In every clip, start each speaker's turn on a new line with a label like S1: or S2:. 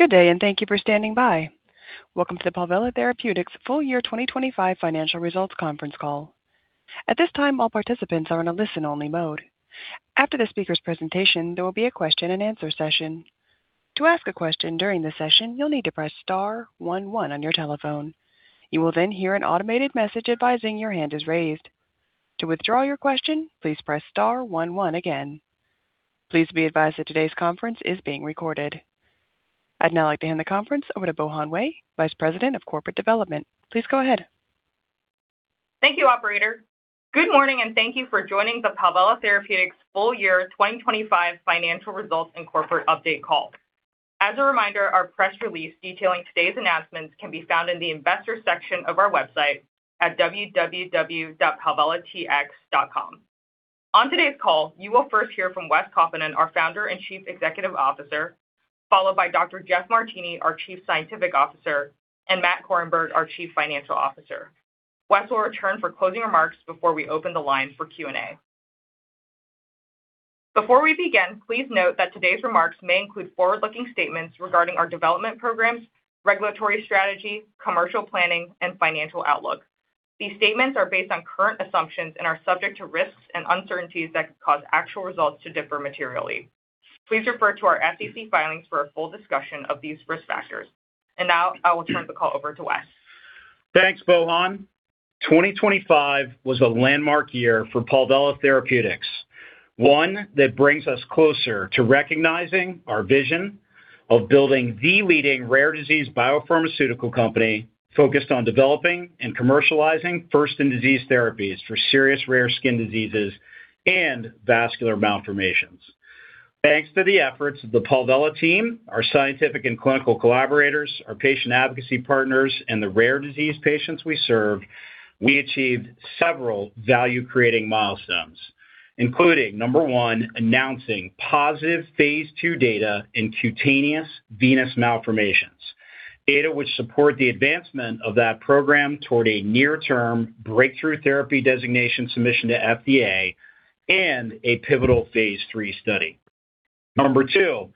S1: Good day, and thank you for standing by. Welcome to the Palvella Therapeutics full-year 2025 financial results conference call. At this time, all participants are in a listen-only mode. After the speaker's presentation, there will be a question-and-answer session. To ask a question during the session, you'll need to press star one one on your telephone. You will then hear an automated message advising your hand is raised. To withdraw your question, please press star one one again. Please be advised that today's conference is being recorded. I'd now like to hand the conference over to Bohan Wei, Vice President of Corporate Development. Please go ahead.
S2: Thank you, operator. Good morning, and thank you for joining the Palvella Therapeutics full-year 2025 financial results and corporate update call. As a reminder, our press release detailing today's announcements can be found in the investor section of our website at www.palvellatx.com. On today's call, you will first hear from Wes Kaupinen, our Founder and Chief Executive Officer, followed by Dr. Jeff Martini, our Chief Scientific Officer, and Matt Korenberg, our Chief Financial Officer. Wes will return for closing remarks before we open the line for Q&A. Before we begin, please note that today's remarks may include forward-looking statements regarding our development programs, regulatory strategy, commercial planning, and financial outlook. These statements are based on current assumptions and are subject to risks and uncertainties that could cause actual results to differ materially. Please refer to our SEC filings for a full discussion of these risk factors. Now, I will turn the call over to Wes.
S3: Thanks, Bohan. 2025 was a landmark year for Palvella Therapeutics. One that brings us closer to recognizing our vision of building the leading rare disease biopharmaceutical company focused on developing and commercializing first-in-disease therapies for serious rare skin diseases and vascular malformations. Thanks to the efforts of the Palvella team, our scientific and clinical collaborators, our patient advocacy partners, and the rare disease patients we serve, we achieved several value-creating milestones, including, number one, announcing positive phase II data in cutaneous venous malformations. Data which support the advancement of that program toward a near-term Breakthrough Therapy designation submission to FDA and a pivotal phase III study. Number two,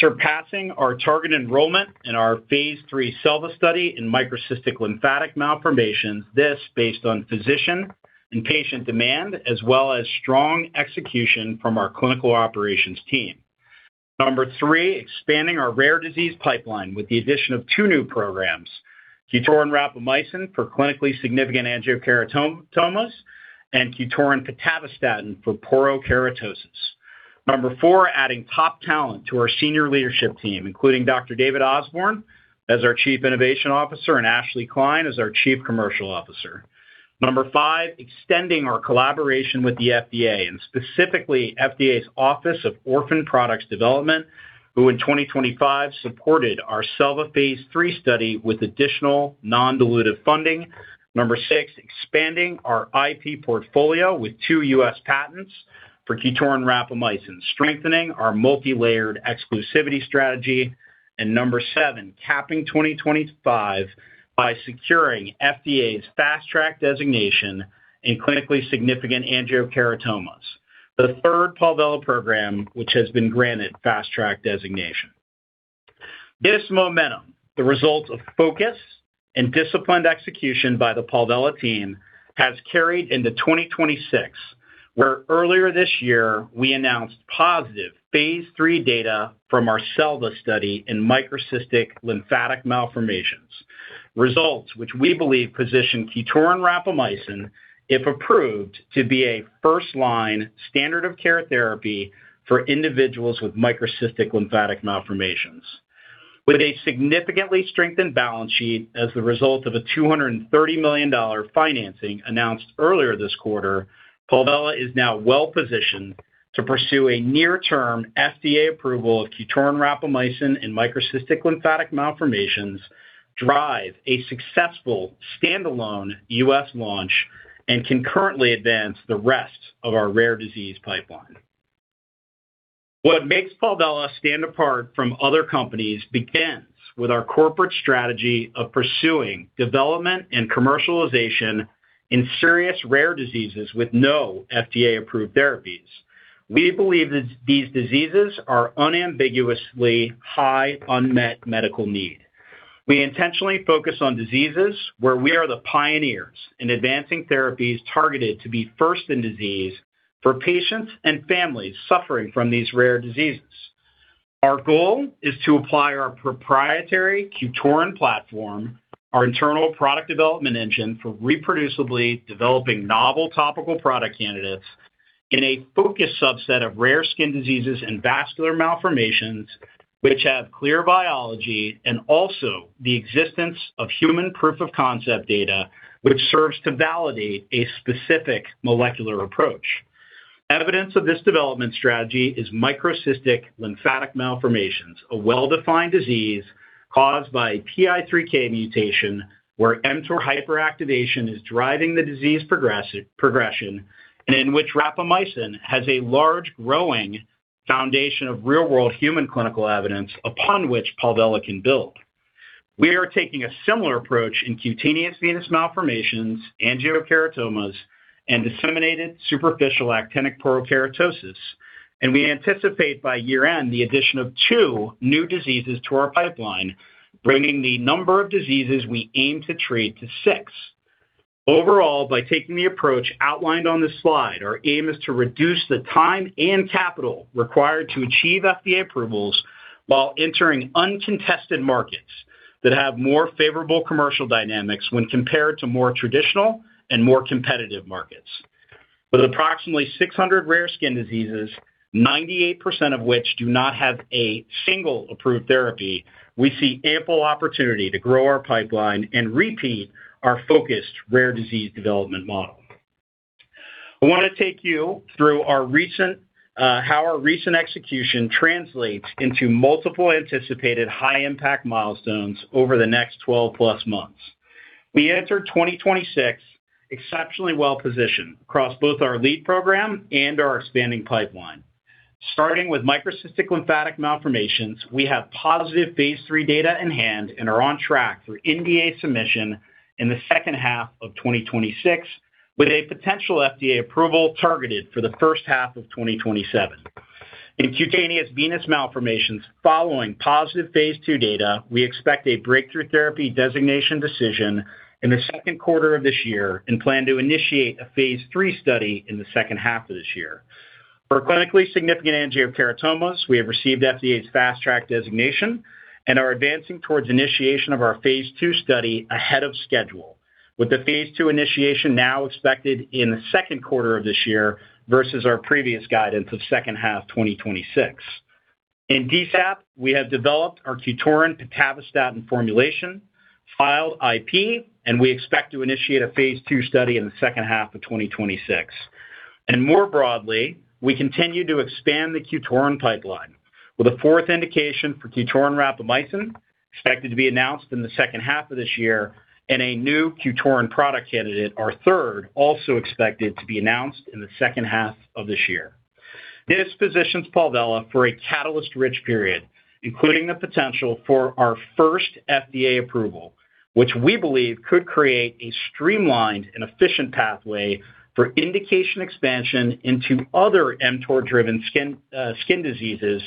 S3: surpassing our target enrollment in our phase III SELVA study in microcystic lymphatic malformations. This based on physician and patient demand, as well as strong execution from our clinical operations team. Number three, expanding our rare disease pipeline with the addition of two new programs, QTORIN rapamycin for clinically significant angiokeratomas, and QTORIN pitavastatin for porokeratosis. Number four, adding top talent to our senior leadership team, including Dr. David Osborne as our Chief Innovation Officer, and Ashley Kline as our Chief Commercial Officer. Number five, extending our collaboration with the FDA, and specifically FDA's Office of Orphan Products Development, who in 2025 supported our SELVA phase III study with additional non-dilutive funding. Number six, expanding our IP portfolio with two U.S. patents for QTORIN rapamycin, strengthening our multilayered exclusivity strategy. Number seven, capping 2025 by securing FDA's Fast Track designation in clinically significant angiokeratomas. The third Palvella program, which has been granted Fast Track designation. This momentum, the result of focus and disciplined execution by the Palvella team, has carried into 2026, where earlier this year we announced positive phase III data from our SELVA study in microcystic lymphatic malformations. Results, which we believe position QTORIN rapamycin, if approved, to be a first-line standard-of-care therapy for individuals with microcystic lymphatic malformations. With a significantly strengthened balance sheet as the result of a $230 million financing announced earlier this quarter, Palvella is now well-positioned to pursue a near-term FDA approval of QTORIN rapamycin in microcystic lymphatic malformations, drive a successful standalone U.S. launch, and concurrently advance the rest of our rare disease pipeline. What makes Palvella stand apart from other companies begins with our corporate strategy of pursuing development and commercialization in serious rare diseases with no FDA-approved therapies. We believe that these diseases are unambiguously high unmet medical need. We intentionally focus on diseases where we are the pioneers in advancing therapies targeted to be first in disease for patients and families suffering from these rare diseases. Our goal is to apply our proprietary QTORIN platform, our internal product development engine for reproducibly developing novel topical product candidates in a focused subset of rare skin diseases and vascular malformations which have clear biology and also the existence of human proof-of-concept data which serves to validate a specific molecular approach. Evidence of this development strategy is microcystic lymphatic malformations, a well-defined disease caused by PI3K mutation where mTOR hyperactivation is driving the disease progression and in which rapamycin has a large growing foundation of real-world human clinical evidence upon which Palvella can build. We are taking a similar approach in cutaneous venous malformations, angiokeratomas, and disseminated superficial actinic porokeratosis, and we anticipate by year-end the addition of two new diseases to our pipeline, bringing the number of diseases we aim to treat to six. Overall, by taking the approach outlined on this slide, our aim is to reduce the time and capital required to achieve FDA approvals while entering uncontested markets that have more favorable commercial dynamics when compared to more traditional and more competitive markets. With approximately 600 rare skin diseases, 98% of which do not have a single approved therapy, we see ample opportunity to grow our pipeline and repeat our focused rare disease development model. I want to take you through how our recent execution translates into multiple anticipated high-impact milestones over the next 12+ months. We enter 2026 exceptionally well-positioned across both our lead program and our expanding pipeline. Starting with microcystic lymphatic malformations, we have positive phase III data in hand and are on track for NDA submission in the second half of 2026, with a potential FDA approval targeted for the first half of 2027. In cutaneous venous malformations, following positive phase II data, we expect a Breakthrough Therapy designation decision in the second quarter of this year and plan to initiate a phase III study in the second half of this year. For clinically significant angiokeratomas, we have received FDA's Fast Track designation and are advancing towards initiation of our phase II study ahead of schedule, with the phase II initiation now expected in the second quarter of this year versus our previous guidance of second half 2026. In DSAP, we have developed our QTORIN pitavastatin formulation, filed IP, and we expect to initiate a phase II study in the second half of 2026. More broadly, we continue to expand the QTORIN pipeline with a fourth indication for QTORIN rapamycin expected to be announced in the second half of this year and a new QTORIN product candidate, our third, also expected to be announced in the second half of this year. This positions Palvella for a catalyst-rich period, including the potential for our first FDA approval, which we believe could create a streamlined and efficient pathway for indication expansion into other mTOR-driven skin diseases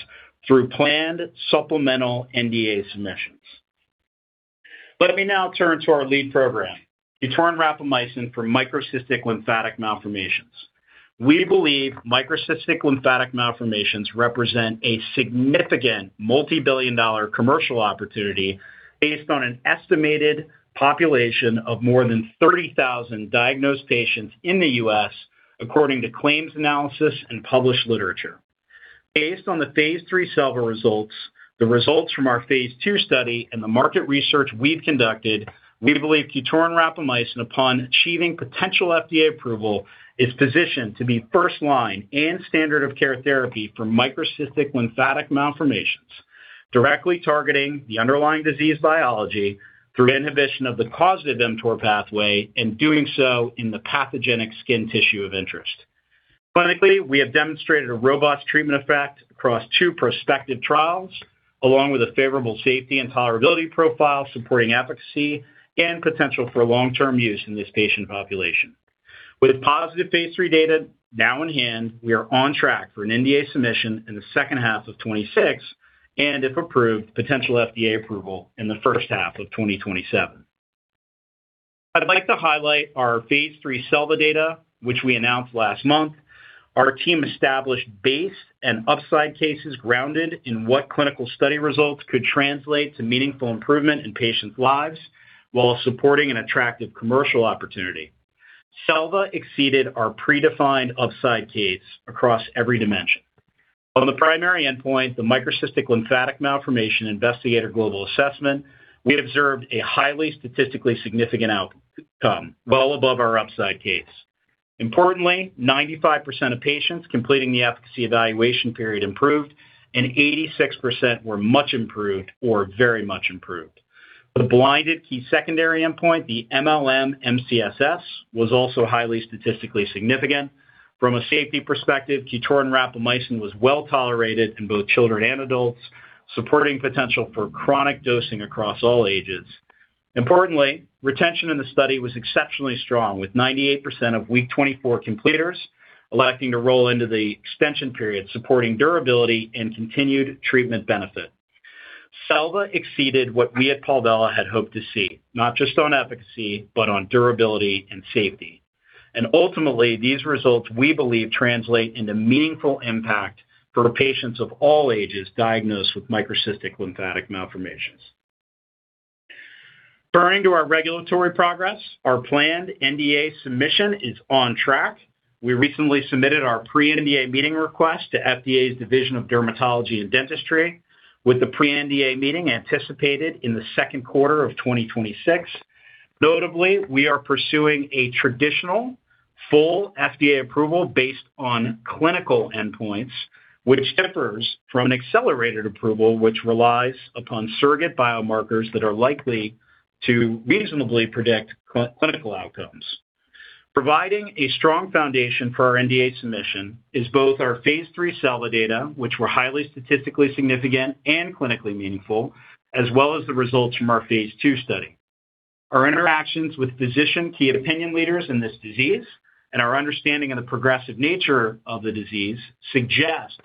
S3: through planned supplemental NDA submissions. Let me now turn to our lead program, QTORIN rapamycin for microcystic lymphatic malformations. We believe microcystic lymphatic malformations represent a significant multibillion-dollar commercial opportunity based on an estimated population of more than 30,000 diagnosed patients in the U.S. according to claims analysis and published literature. Based on the phase III SELVA results, the results from our phase II study, and the market research we've conducted, we believe QTORIN rapamycin, upon achieving potential FDA approval, is positioned to be first-line and standard-of-care therapy for microcystic lymphatic malformations, directly targeting the underlying disease biology through inhibition of the causative mTOR pathway and doing so in the pathogenic skin tissue of interest. Clinically, we have demonstrated a robust treatment effect across two prospective trials, along with a favorable safety and tolerability profile supporting efficacy and potential for long-term use in this patient population. With positive phase III data now in hand, we are on track for an NDA submission in the second half of 2026 and, if approved, potential FDA approval in the first half of 2027. I'd like to highlight our phase III SELVA data, which we announced last month. Our team established base and upside cases grounded in what clinical study results could translate to meaningful improvement in patients' lives while supporting an attractive commercial opportunity. SELVA exceeded our predefined upside case across every dimension. On the primary endpoint, the microcystic lymphatic malformation Investigator Global Assessment, we observed a highly statistically significant outcome, well above our upside case. Importantly, 95% of patients completing the efficacy evaluation period improved, and 86% were much improved or very much improved. The blinded key secondary endpoint, the mLM-MCSS, was also highly statistically significant. From a safety perspective, QTORIN rapamycin was well-tolerated in both children and adults, supporting potential for chronic dosing across all ages. Importantly, retention in the study was exceptionally strong, with 98% of week 24 completers electing to roll into the extension period, supporting durability and continued treatment benefit. SELVA exceeded what we at Palvella had hoped to see, not just on efficacy, but on durability and safety. Ultimately, these results, we believe, translate into meaningful impact for patients of all ages diagnosed with microcystic lymphatic malformations. Turning to our regulatory progress, our planned NDA submission is on track. We recently submitted our pre-NDA meeting request to FDA's Division of Dermatology and Dentistry, with the pre-NDA meeting anticipated in the second quarter of 2026. Notably, we are pursuing a traditional full FDA approval based on clinical endpoints, which differs from an accelerated approval, which relies upon surrogate biomarkers that are likely to reasonably predict clinical outcomes. Providing a strong foundation for our NDA submission is both our phase III SELVA data, which were highly statistically significant and clinically meaningful, as well as the results from our phase II study. Our interactions with physician key opinion leaders in this disease and our understanding of the progressive nature of the disease suggest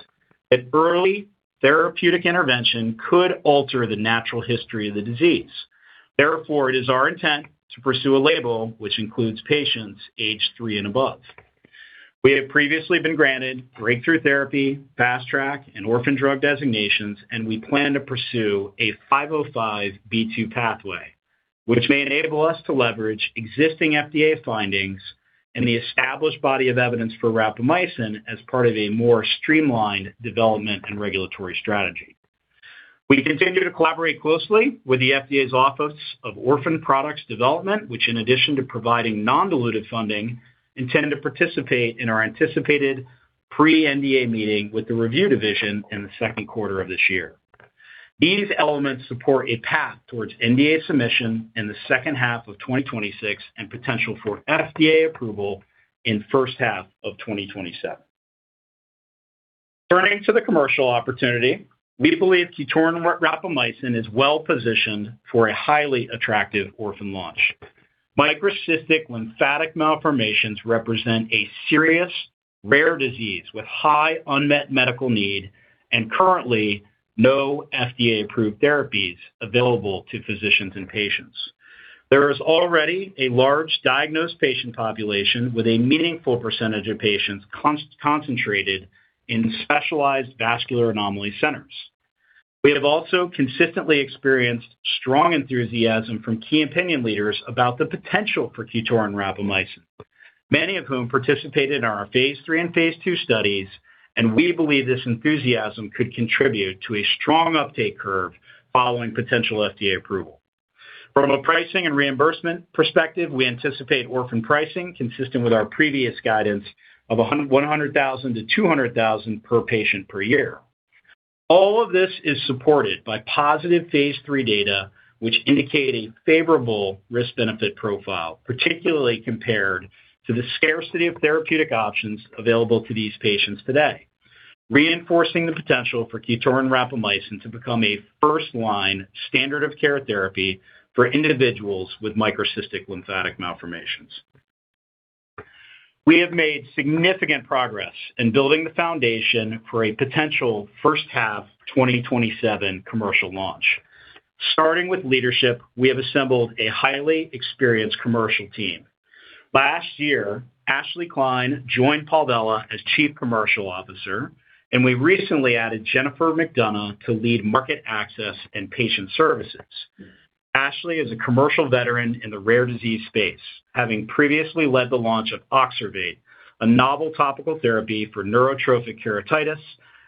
S3: that early therapeutic intervention could alter the natural history of the disease. Therefore, it is our intent to pursue a label which includes patients aged three and above. We have previously been granted Breakthrough Therapy, Fast Track, and Orphan Drug designations, and we plan to pursue a 505(b)(2) pathway, which may enable us to leverage existing FDA findings and the established body of evidence for rapamycin as part of a more streamlined development and regulatory strategy. We continue to collaborate closely with the FDA's Office of Orphan Products Development, which in addition to providing non-dilutive funding, intend to participate in our anticipated pre-NDA meeting with the review division in the second quarter of this year. These elements support a path towards NDA submission in the second half of 2026 and potential for FDA approval in first half of 2027. Turning to the commercial opportunity, we believe QTORIN rapamycin is well-positioned for a highly attractive orphan launch. Microcystic lymphatic malformations represent a serious rare disease with high unmet medical need and currently no FDA-approved therapies available to physicians and patients. There is already a large diagnosed patient population with a meaningful percentage of patients concentrated in specialized vascular anomaly centers. We have also consistently experienced strong enthusiasm from key opinion leaders about the potential for QTORIN rapamycin, many of whom participated in our phase III and phase II studies, and we believe this enthusiasm could contribute to a strong uptake curve following potential FDA approval. From a pricing and reimbursement perspective, we anticipate orphan pricing consistent with our previous guidance of $100,000-$200,000 per patient per year. All of this is supported by positive phase III data, which indicate a favorable risk-benefit profile, particularly compared to the scarcity of therapeutic options available to these patients today, reinforcing the potential for QTORIN rapamycin to become a first-line standard-of-care therapy for individuals with microcystic lymphatic malformations. We have made significant progress in building the foundation for a potential first half 2027 commercial launch. Starting with leadership, we have assembled a highly experienced commercial team. Last year, Ashley Kline joined Palvella as Chief Commercial Officer, and we recently added Jennifer McDonough to lead market access and patient services. Ashley is a commercial veteran in the rare disease space, having previously led the launch of OXERVATE, a novel topical therapy for neurotrophic keratitis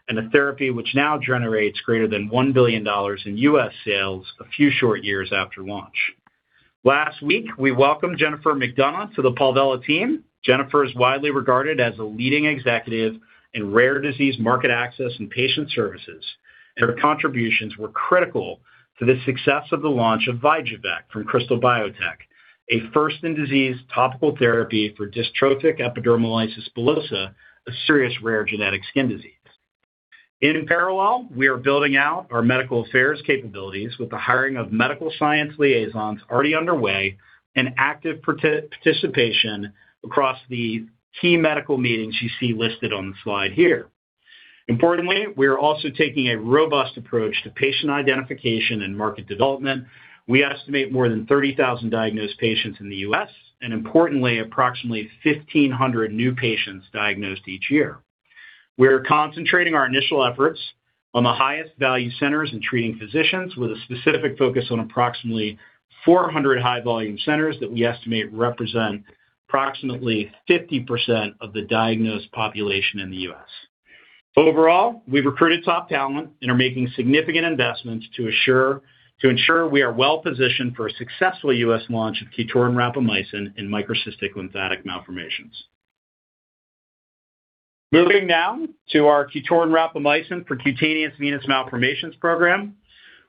S3: and a therapy which now generates greater than $1 billion in US sales a few short years after launch. Last week, we welcomed Jennifer McDonough to the Palvella team. Jennifer is widely regarded as a leading executive in rare disease market access and patient services. Her contributions were critical to the success of the launch of VYJUVEK from Krystal Biotech, a first-in-disease topical therapy for dystrophic epidermolysis bullosa, a serious rare genetic skin disease. In parallel, we are building out our medical affairs capabilities with the hiring of medical science liaisons already underway and active participation across the key medical meetings you see listed on the slide here. Importantly, we are also taking a robust approach to patient identification and market development. We estimate more than 30,000 diagnosed patients in the U.S. and importantly, approximately 1,500 new patients diagnosed each year. We are concentrating our initial efforts on the highest value centers and treating physicians with a specific focus on approximately 400 high volume centers that we estimate represent approximately 50% of the diagnosed population in the U.S. Overall, we've recruited top talent and are making significant investments to ensure we are well-positioned for a successful U.S. launch of QTORIN rapamycin in microcystic lymphatic malformations. Moving now to our QTORIN rapamycin for cutaneous venous malformations program.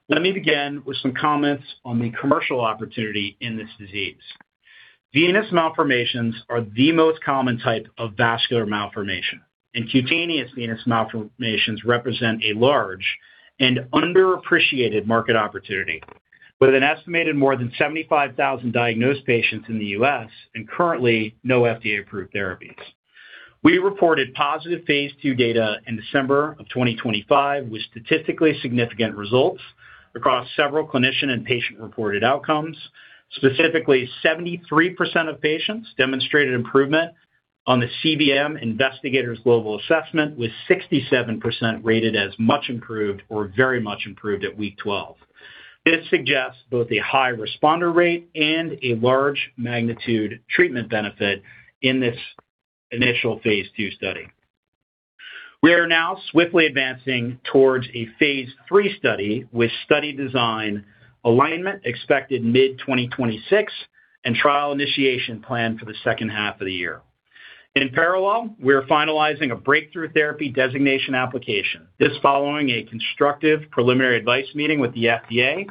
S3: Let me begin with some comments on the commercial opportunity in this disease. Venous malformations are the most common type of vascular malformation, and cutaneous venous malformations represent a large and underappreciated market opportunity, with an estimated more than 75,000 diagnosed patients in the U.S. and currently no FDA-approved therapies. We reported positive phase II data in December 2025, with statistically significant results across several clinician and patient-reported outcomes. Specifically, 73% of patients demonstrated improvement on the cVM Investigators' Global Assessment, with 67% rated as much improved or very much improved at week 12. This suggests both a high responder rate and a large magnitude treatment benefit in this initial phase II study. We are now swiftly advancing towards a phase III study with study design alignment expected mid-2026 and trial initiation planned for the second half of the year. In parallel, we are finalizing a Breakthrough Therapy designation application. This follows a constructive preliminary advice meeting with the FDA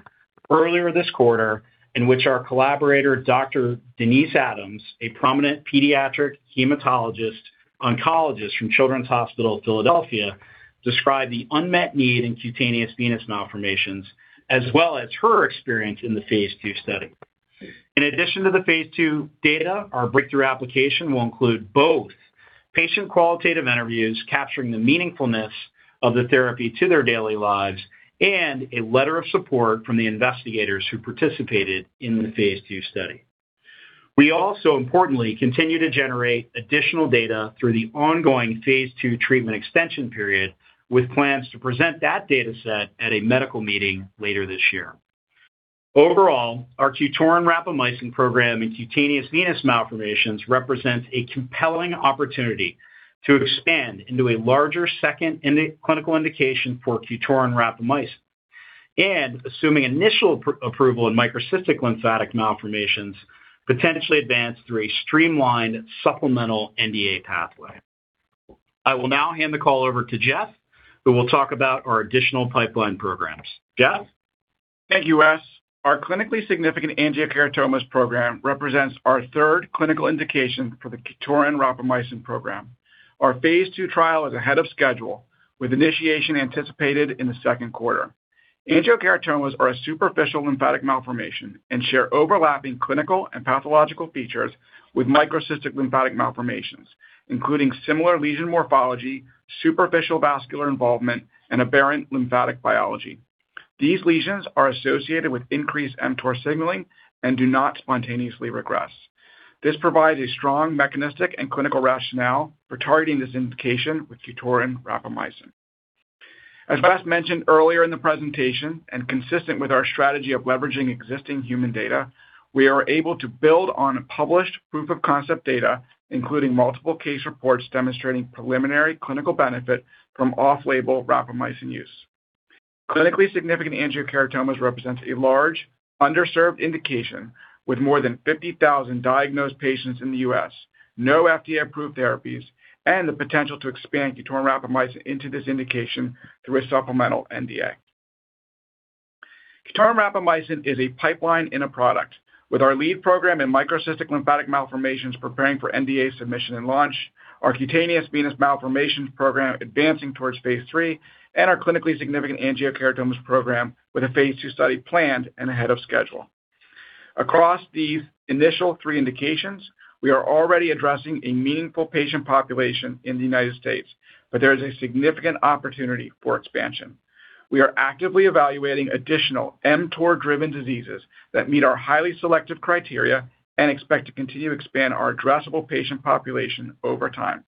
S3: earlier this quarter, in which our collaborator, Dr. Denise Adams, a prominent pediatric hematologist-oncologist from Children's Hospital of Philadelphia, described the unmet need in cutaneous venous malformations as well as her experience in the phase II study. In addition to the phase II data, our breakthrough application will include both patient qualitative interviews capturing the meaningfulness of the therapy to their daily lives, and a letter of support from the investigators who participated in the phase II study. We also importantly continue to generate additional data through the ongoing phase II treatment extension period, with plans to present that data set at a medical meeting later this year. Overall, our QTORIN rapamycin program in cutaneous venous malformations represents a compelling opportunity to expand into a larger second indication for QTORIN rapamycin, and assuming initial pre-approval in microcystic lymphatic malformations, potentially advance through a streamlined supplemental NDA pathway. I will now hand the call over to Jeff, who will talk about our additional pipeline programs. Jeff?
S4: Thank you, Wes. Our clinically significant angiokeratomas program represents our third clinical indication for the QTORIN rapamycin program. Our phase II trial is ahead of schedule, with initiation anticipated in the second quarter. Angiokeratomas are a superficial lymphatic malformation and share overlapping clinical and pathological features with microcystic lymphatic malformations, including similar lesion morphology, superficial vascular involvement, and aberrant lymphatic biology. These lesions are associated with increased mTOR signaling and do not spontaneously regress. This provides a strong mechanistic and clinical rationale for targeting this indication with QTORIN rapamycin. As Wes mentioned earlier in the presentation, and consistent with our strategy of leveraging existing human data, we are able to build on published proof of concept data, including multiple case reports demonstrating preliminary clinical benefit from off-label rapamycin use. Clinically significant angiokeratomas represents a large underserved indication with more than 50,000 diagnosed patients in the U.S., no FDA-approved therapies, and the potential to expand QTORIN rapamycin into this indication through a supplemental NDA. QTORIN rapamycin is a pipeline in a product. With our lead program in microcystic lymphatic malformations preparing for NDA submission and launch, our cutaneous venous malformations program advancing towards phase III, and our clinically significant angiokeratomas program with a phase II study planned and ahead of schedule. Across these initial three indications, we are already addressing a meaningful patient population in the United States, but there is a significant opportunity for expansion. We are actively evaluating additional mTOR-driven diseases that meet our highly selective criteria and expect to continue to expand our addressable patient population over time.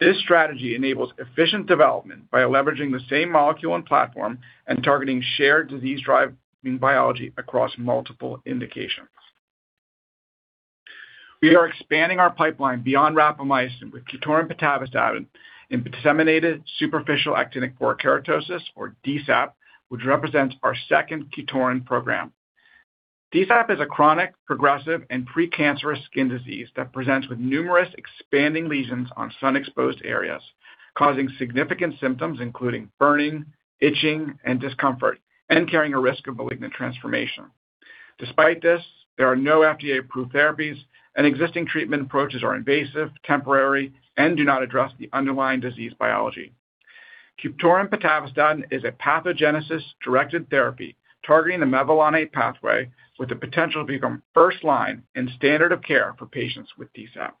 S4: This strategy enables efficient development by leveraging the same molecule and platform and targeting shared disease-driving biology across multiple indications. We are expanding our pipeline beyond rapamycin with QTORIN pitavastatin in disseminated superficial actinic porokeratosis or DSAP, which represents our second QTORIN program. DSAP is a chronic, progressive, and precancerous skin disease that presents with numerous expanding lesions on sun-exposed areas, causing significant symptoms including burning, itching, and discomfort, and carrying a risk of malignant transformation. Despite this, there are no FDA-approved therapies, and existing treatment approaches are invasive, temporary, and do not address the underlying disease biology. QTORIN pitavastatin is a pathogenesis-directed therapy targeting the mevalonate pathway with the potential to become first-line and standard of care for patients with DSAP.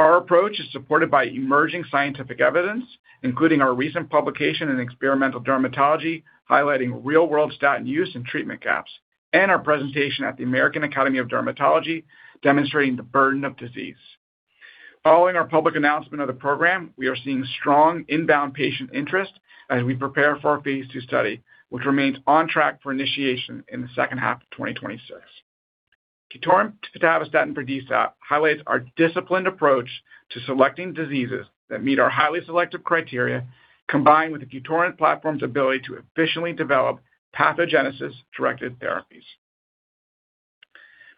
S4: Our approach is supported by emerging scientific evidence, including our recent publication in Experimental Dermatology, highlighting real-world statin use and treatment gaps, and our presentation at the American Academy of Dermatology demonstrating the burden of disease. Following our public announcement of the program, we are seeing strong inbound patient interest as we prepare for our phase II study, which remains on track for initiation in the second half of 2026. QTORIN pitavastatin for DSAP highlights our disciplined approach to selecting diseases that meet our highly selective criteria, combined with the QTORIN platform's ability to efficiently develop pathogenesis-directed therapies.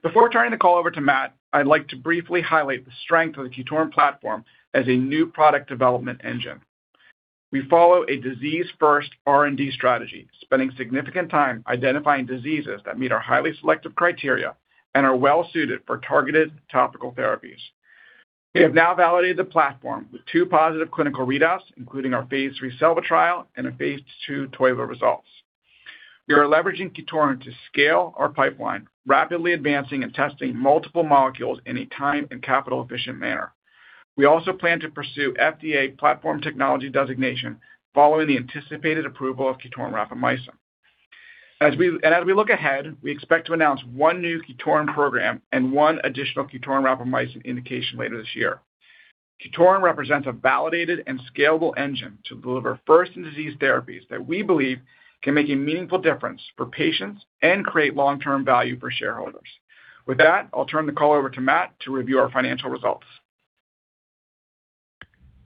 S4: Before turning the call over to Matt, I'd like to briefly highlight the strength of the QTORIN platform as a new product development engine. We follow a disease-first R&D strategy, spending significant time identifying diseases that meet our highly selective criteria and are well suited for targeted topical therapies. We have now validated the platform with two positive clinical readouts, including our phase III SELVA trial and our phase II TOIVA results. We are leveraging QTORIN to scale our pipeline, rapidly advancing and testing multiple molecules in a time and capital efficient manner. We also plan to pursue FDA platform technology designation following the anticipated approval of QTORIN rapamycin. As we look ahead, we expect to announce one new QTORIN program and one additional QTORIN rapamycin indication later this year. QTORIN represents a validated and scalable engine to deliver first-in-disease therapies that we believe can make a meaningful difference for patients and create long-term value for shareholders. With that, I'll turn the call over to Matt to review our financial results.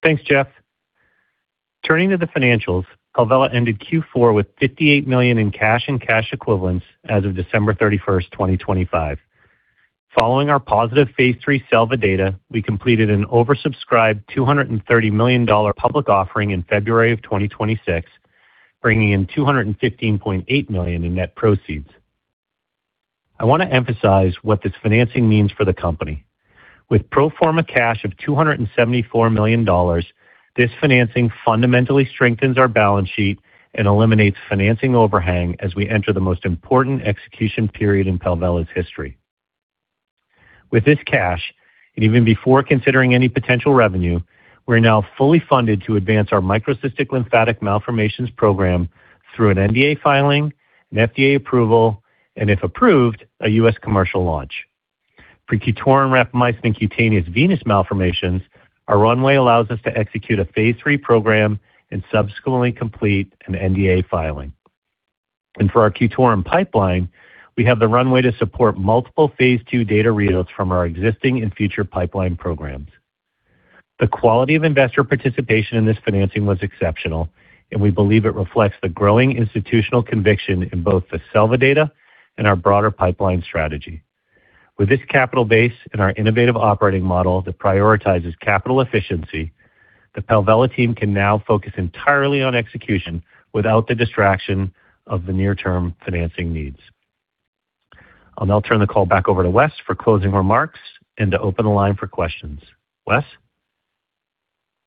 S5: Thanks, Jeff. Turning to the financials, Palvella ended Q4 with $58 million in cash and cash equivalents as of December 31st, 2025. Following our positive phase III SELVA data, we completed an oversubscribed $230 million public offering in February 2026, bringing in $215.8 million in net proceeds. I want to emphasize what this financing means for the company. With pro forma cash of $274 million, this financing fundamentally strengthens our balance sheet and eliminates financing overhang as we enter the most important execution period in Palvella's history. With this cash, and even before considering any potential revenue, we're now fully funded to advance our microcystic lymphatic malformations program through an NDA filing, an FDA approval, and if approved, a U.S. commercial launch. For QTORIN rapamycin cutaneous venous malformations, our runway allows us to execute a phase III program and subsequently complete an NDA filing. For our QTORIN pipeline, we have the runway to support multiple phase II data readouts from our existing and future pipeline programs. The quality of investor participation in this financing was exceptional, and we believe it reflects the growing institutional conviction in both the SELVA data and our broader pipeline strategy. With this capital base and our innovative operating model that prioritizes capital efficiency, the Palvella team can now focus entirely on execution without the distraction of the near-term financing needs. I'll now turn the call back over to Wes for closing remarks and to open the line for questions. Wes?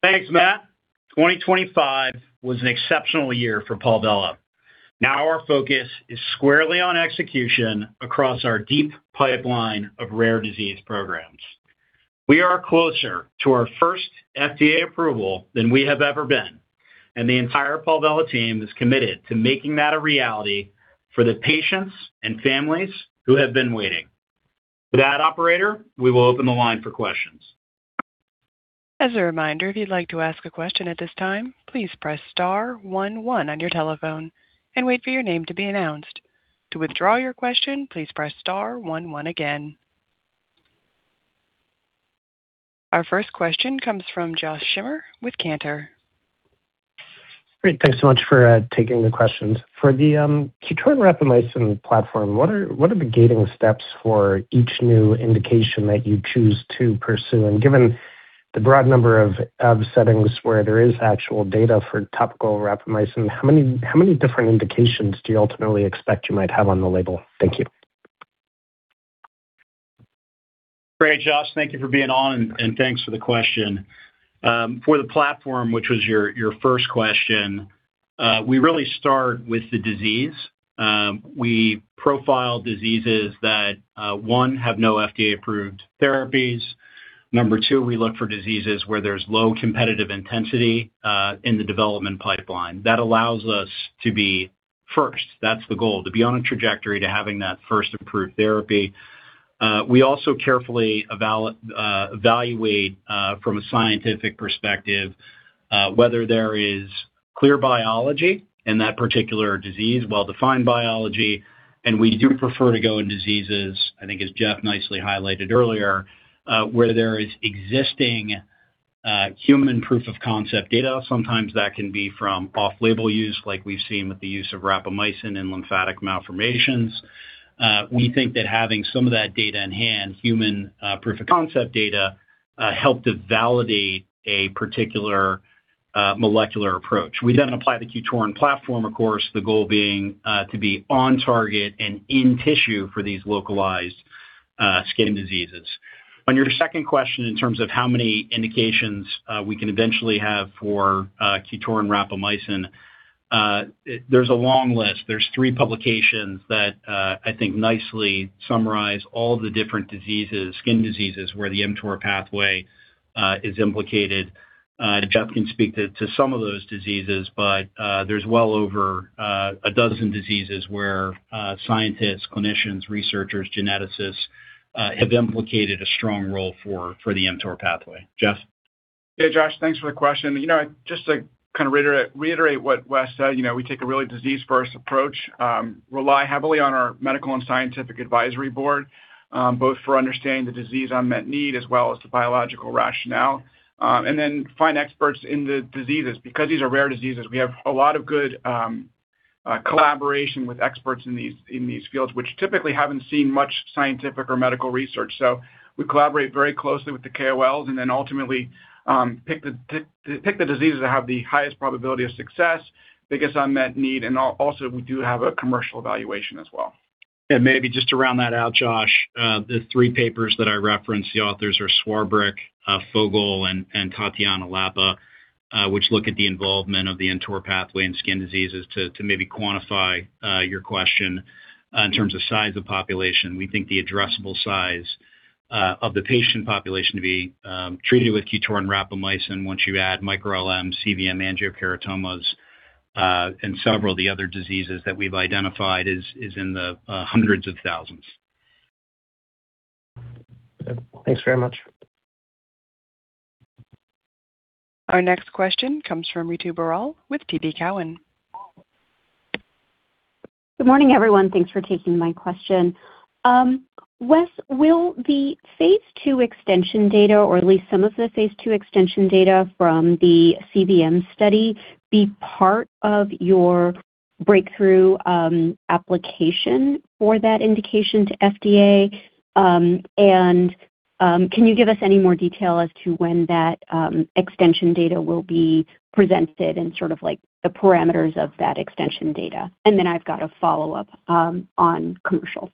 S3: Thanks, Matt. 2025 was an exceptional year for Palvella. Now our focus is squarely on execution across our deep pipeline of rare disease programs. We are closer to our first FDA approval than we have ever been, and the entire Palvella team is committed to making that a reality for the patients and families who have been waiting. With that, operator, we will open the line for questions.
S1: As a reminder, if you'd like to ask a question at this time, please press star one one on your telephone and wait for your name to be announced. To withdraw your question, please press star one one again. Our first question comes from Josh Schimmer with Cantor.
S6: Great. Thanks so much for taking the questions. For the QTORIN rapamycin platform, what are the gating steps for each new indication that you choose to pursue? And given the broad number of settings where there is actual data for topical rapamycin, how many different indications do you ultimately expect you might have on the label? Thank you.
S3: Great, Josh. Thank you for being on, and thanks for the question. For the platform, which was your first question, we really start with the disease. We profile diseases that one, have no FDA-approved therapies. Number two, we look for diseases where there's low competitive intensity in the development pipeline. That allows us to be first. That's the goal, to be on a trajectory to having that first approved therapy. We also carefully evaluate from a scientific perspective whether there is clear biology in that particular disease, well-defined biology. We do prefer to go in diseases, as Jeff nicely highlighted earlier, where there is existing human proof of concept data. Sometimes that can be from off-label use, like we've seen with the use of rapamycin and lymphatic malformations. We think that having some of that data in hand, human proof of concept data, help to validate a particular molecular approach. We then apply the QTORIN platform, of course, the goal being to be on target and in tissue for these localized skin diseases. On your second question, in terms of how many indications we can eventually have for QTORIN rapamycin, there's a long list. There's three publications that I think nicely summarize all the different diseases, skin diseases, where the mTOR pathway is implicated. Jeff can speak to some of those diseases, but there's well over a dozen diseases where scientists, clinicians, researchers, geneticists have implicated a strong role for the mTOR pathway. Jeff?
S4: Yeah, Josh, thanks for the question. You know, just to kind of reiterate what Wes said, you know, we take a really disease-first approach, rely heavily on our medical and scientific advisory board, both for understanding the disease unmet need as well as the biological rationale, and then find experts in the diseases. Because these are rare diseases, we have a lot of good collaboration with experts in these fields, which typically haven't seen much scientific or medical research. We collaborate very closely with the KOLs and then ultimately pick the diseases that have the highest probability of success, biggest unmet need, and also we do have a commercial evaluation as well.
S3: Maybe just to round that out, Josh, the three papers that I referenced, the authors are Swarbrick, Fogel, and Tatiana Lapa, which look at the involvement of the mTOR pathway in skin diseases to maybe quantify your question. In terms of size of population, we think the addressable size of the patient population to be treated with QTORIN rapamycin once you add microLM, cVM, angiokeratomas, and several of the other diseases that we've identified is in the hundreds of thousands.
S6: Thanks very much.
S1: Our next question comes from Ritu Baral with TD Cowen.
S7: Good morning, everyone. Thanks for taking my question. Wes, will the phase II extension data or at least some of the phase II extension data from the cVM study be part of your Breakthrough application for that indication to FDA? Can you give us any more detail as to when that extension data will be presented and sort of like the parameters of that extension data? Then I've got a follow-up on commercial.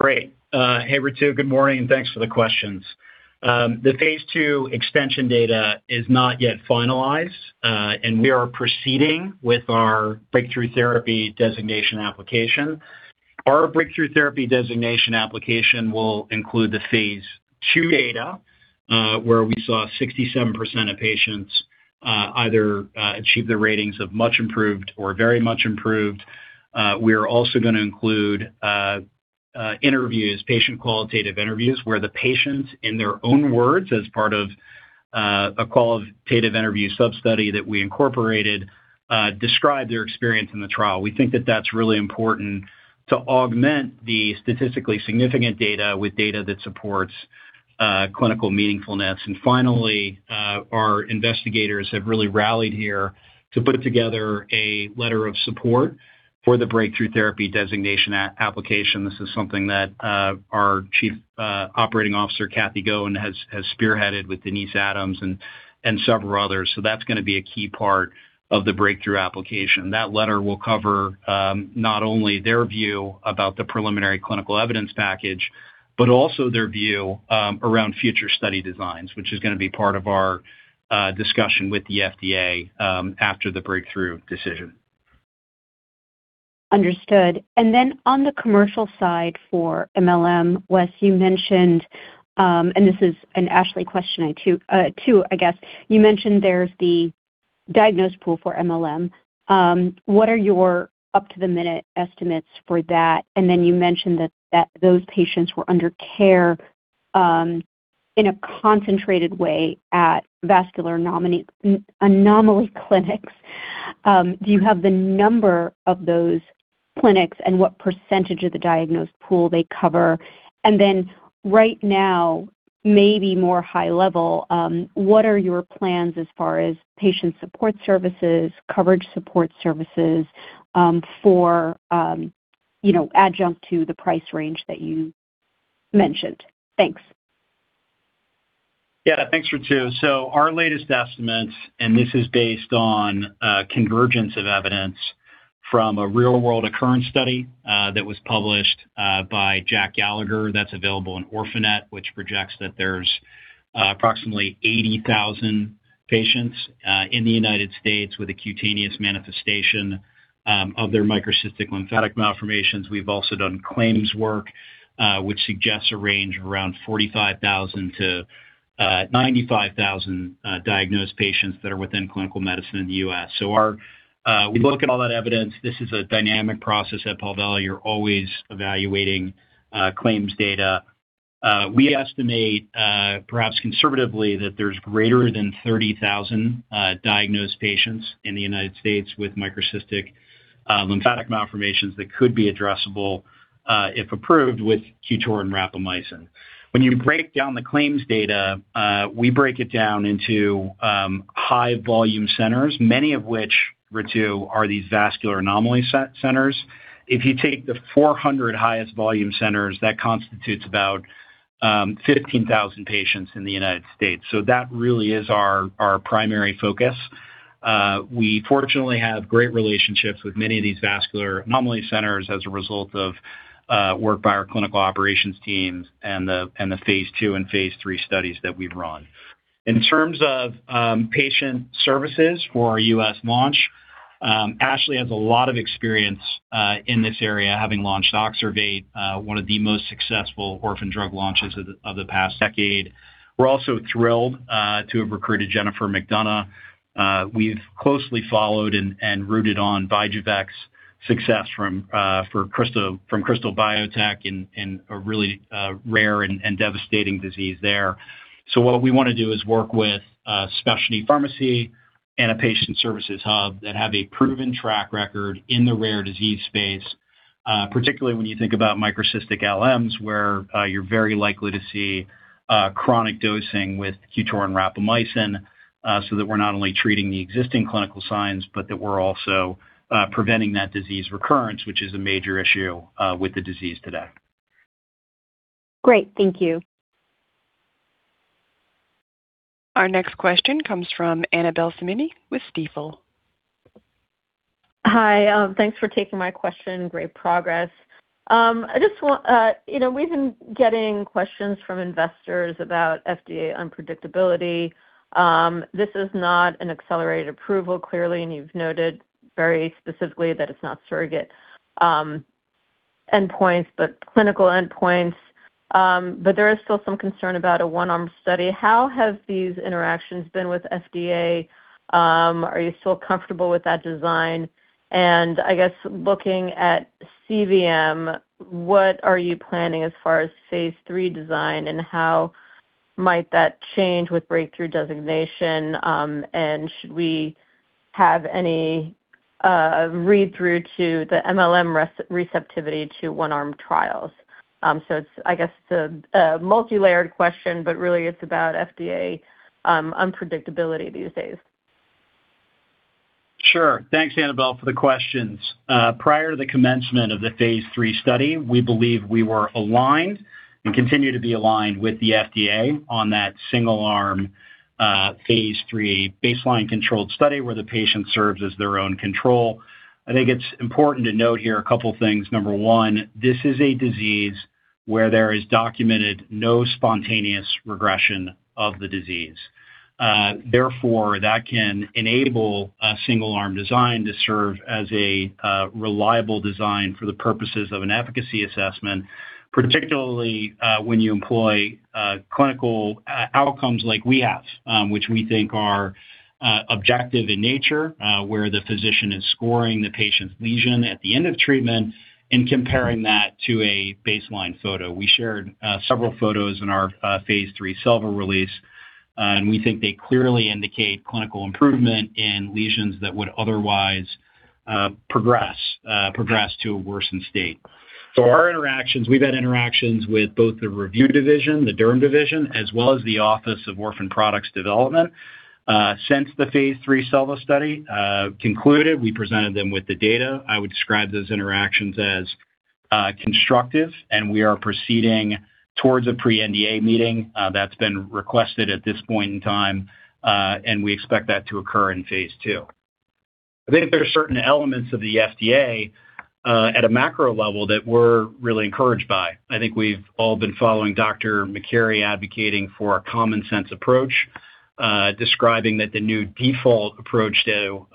S3: Great. Hey, Ritu. Good morning, and thanks for the questions. The phase II extension data is not yet finalized, and we are proceeding with our Breakthrough Therapy designation application. Our Breakthrough Therapy designation application will include the phase II data, where we saw 67% of patients either achieve the ratings of much improved or very much improved. We're also gonna include interviews, patient qualitative interviews, where the patients, in their own words as part of a qualitative interview sub-study that we incorporated, describe their experience in the trial. We think that that's really important to augment the statistically significant data with data that supports clinically meaningful. Finally, our investigators have really rallied here to put together a letter of support for the Breakthrough Therapy designation application. This is something that our Chief Operating Officer, Kathy Goin, has spearheaded with Denise Adams and several others. That's gonna be a key part of the breakthrough application. That letter will cover not only their view about the preliminary clinical evidence package, but also their view around future study designs, which is gonna be part of our discussion with the FDA after the breakthrough decision.
S7: Understood. Then on the commercial side for mLM, Wes, you mentioned, and this is an Ashley question too, I guess. You mentioned there's the diagnosed pool for mLM. What are your up-to-the-minute estimates for that? And then you mentioned that those patients were under care in a concentrated way at vascular anomaly clinics. Do you have the number of those clinics and what percentage of the diagnosed pool they cover? And then right now, maybe more high level, what are your plans as far as patient support services, coverage support services, for you know, adjunct to the price range that you mentioned? Thanks.
S3: Yeah, thanks, Ritu. Our latest estimates, and this is based on convergence of evidence from a real-world occurrence study that was published by Jack Gallagher, that's available in Orphanet, which projects that there's approximately 80,000 patients in the United States with a cutaneous manifestation of their microcystic lymphatic malformations. We've also done claims work, which suggests a range around 45,000-95,000 diagnosed patients that are within clinical medicine in the U.S. We look at all that evidence. This is a dynamic process at Palvella. You're always evaluating claims data. We estimate, perhaps conservatively, that there's greater than 30,000 diagnosed patients in the United States with microcystic lymphatic malformations that could be addressable, if approved, with QTORIN rapamycin. When you break down the claims data, we break it down into high volume centers, many of which, Ritu, are these vascular anomaly centers. If you take the 400 highest volume centers, that constitutes about 15,000 patients in the United States. That really is our primary focus. We fortunately have great relationships with many of these vascular anomaly centers as a result of work by our clinical operations teams and the phase II and phase III studies that we've run. In terms of patient services for our U.S. launch, Ashley has a lot of experience in this area, having launched OXERVATE, one of the most successful orphan drug launches of the past decade. We're also thrilled to have recruited Jennifer McDonough. We've closely followed and rooted for VYJUVEK's success from Krystal Biotech in a really rare and devastating disease there. What we want to do is work with a specialty pharmacy and a patient services hub that have a proven track record in the rare disease space, particularly when you think about microcystic LMs, where you're very likely to see chronic dosing with QTORIN rapamycin, so that we're not only treating the existing clinical signs, but that we're also preventing that disease recurrence, which is a major issue with the disease today.
S7: Great. Thank you.
S1: Our next question comes from Annabel Samimy with Stifel.
S8: Hi. Thanks for taking my question. Great progress. You know, we've been getting questions from investors about FDA unpredictability. This is not an accelerated approval, clearly, and you've noted very specifically that it's not surrogate endpoints, but clinical endpoints. There is still some concern about a one-arm study. How have these interactions been with FDA? Are you still comfortable with that design? I guess looking at cVM, what are you planning as far as phase III design and how might that change with breakthrough designation? Should we have any read through to the mLM receptivity to one-arm trials? It's, I guess, it's a multilayered question, but really it's about FDA unpredictability these days.
S3: Sure. Thanks, Annabel, for the questions. Prior to the commencement of the phase III study, we believe we were aligned and continue to be aligned with the FDA on that single-arm, phase III baseline controlled study where the patient serves as their own control. I think it's important to note here a couple things. Number one, this is a disease where there is documented no spontaneous regression of the disease. Therefore, that can enable a single-arm design to serve as a reliable design for the purposes of an efficacy assessment, particularly, when you employ clinical outcomes like we have, which we think are objective in nature, where the physician is scoring the patient's lesion at the end of treatment and comparing that to a baseline photo. We shared several photos in our phase III SELVA release, and we think they clearly indicate clinical improvement in lesions that would otherwise progress to a worsened state. Our interactions, we've had interactions with both the review division, the derm division, as well as the Office of Orphan Products Development. Since the phase III SELVA study concluded, we presented them with the data. I would describe those interactions as constructive, and we are proceeding towards a pre-NDA meeting that's been requested at this point in time, and we expect that to occur in phase II. I think that there are certain elements of the FDA at a macro level that we're really encouraged by. I think we've all been following Dr. Makary advocating for a common sense approach, describing that the new default approach to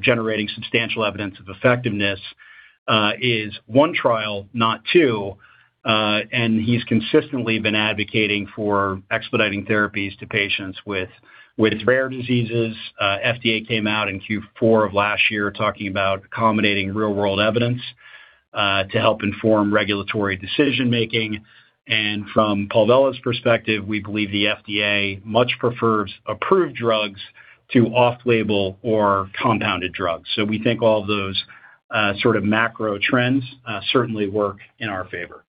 S3: generating substantial evidence of effectiveness is one trial, not two, and he's consistently been advocating for expediting therapies to patients with rare diseases. FDA came out in Q4 of last year talking about accommodating real-world evidence to help inform regulatory decision making. From Palvella's perspective, we believe the FDA much prefers approved drugs to off-label or compounded drugs. We think all of those sort of macro trends certainly work in our favor.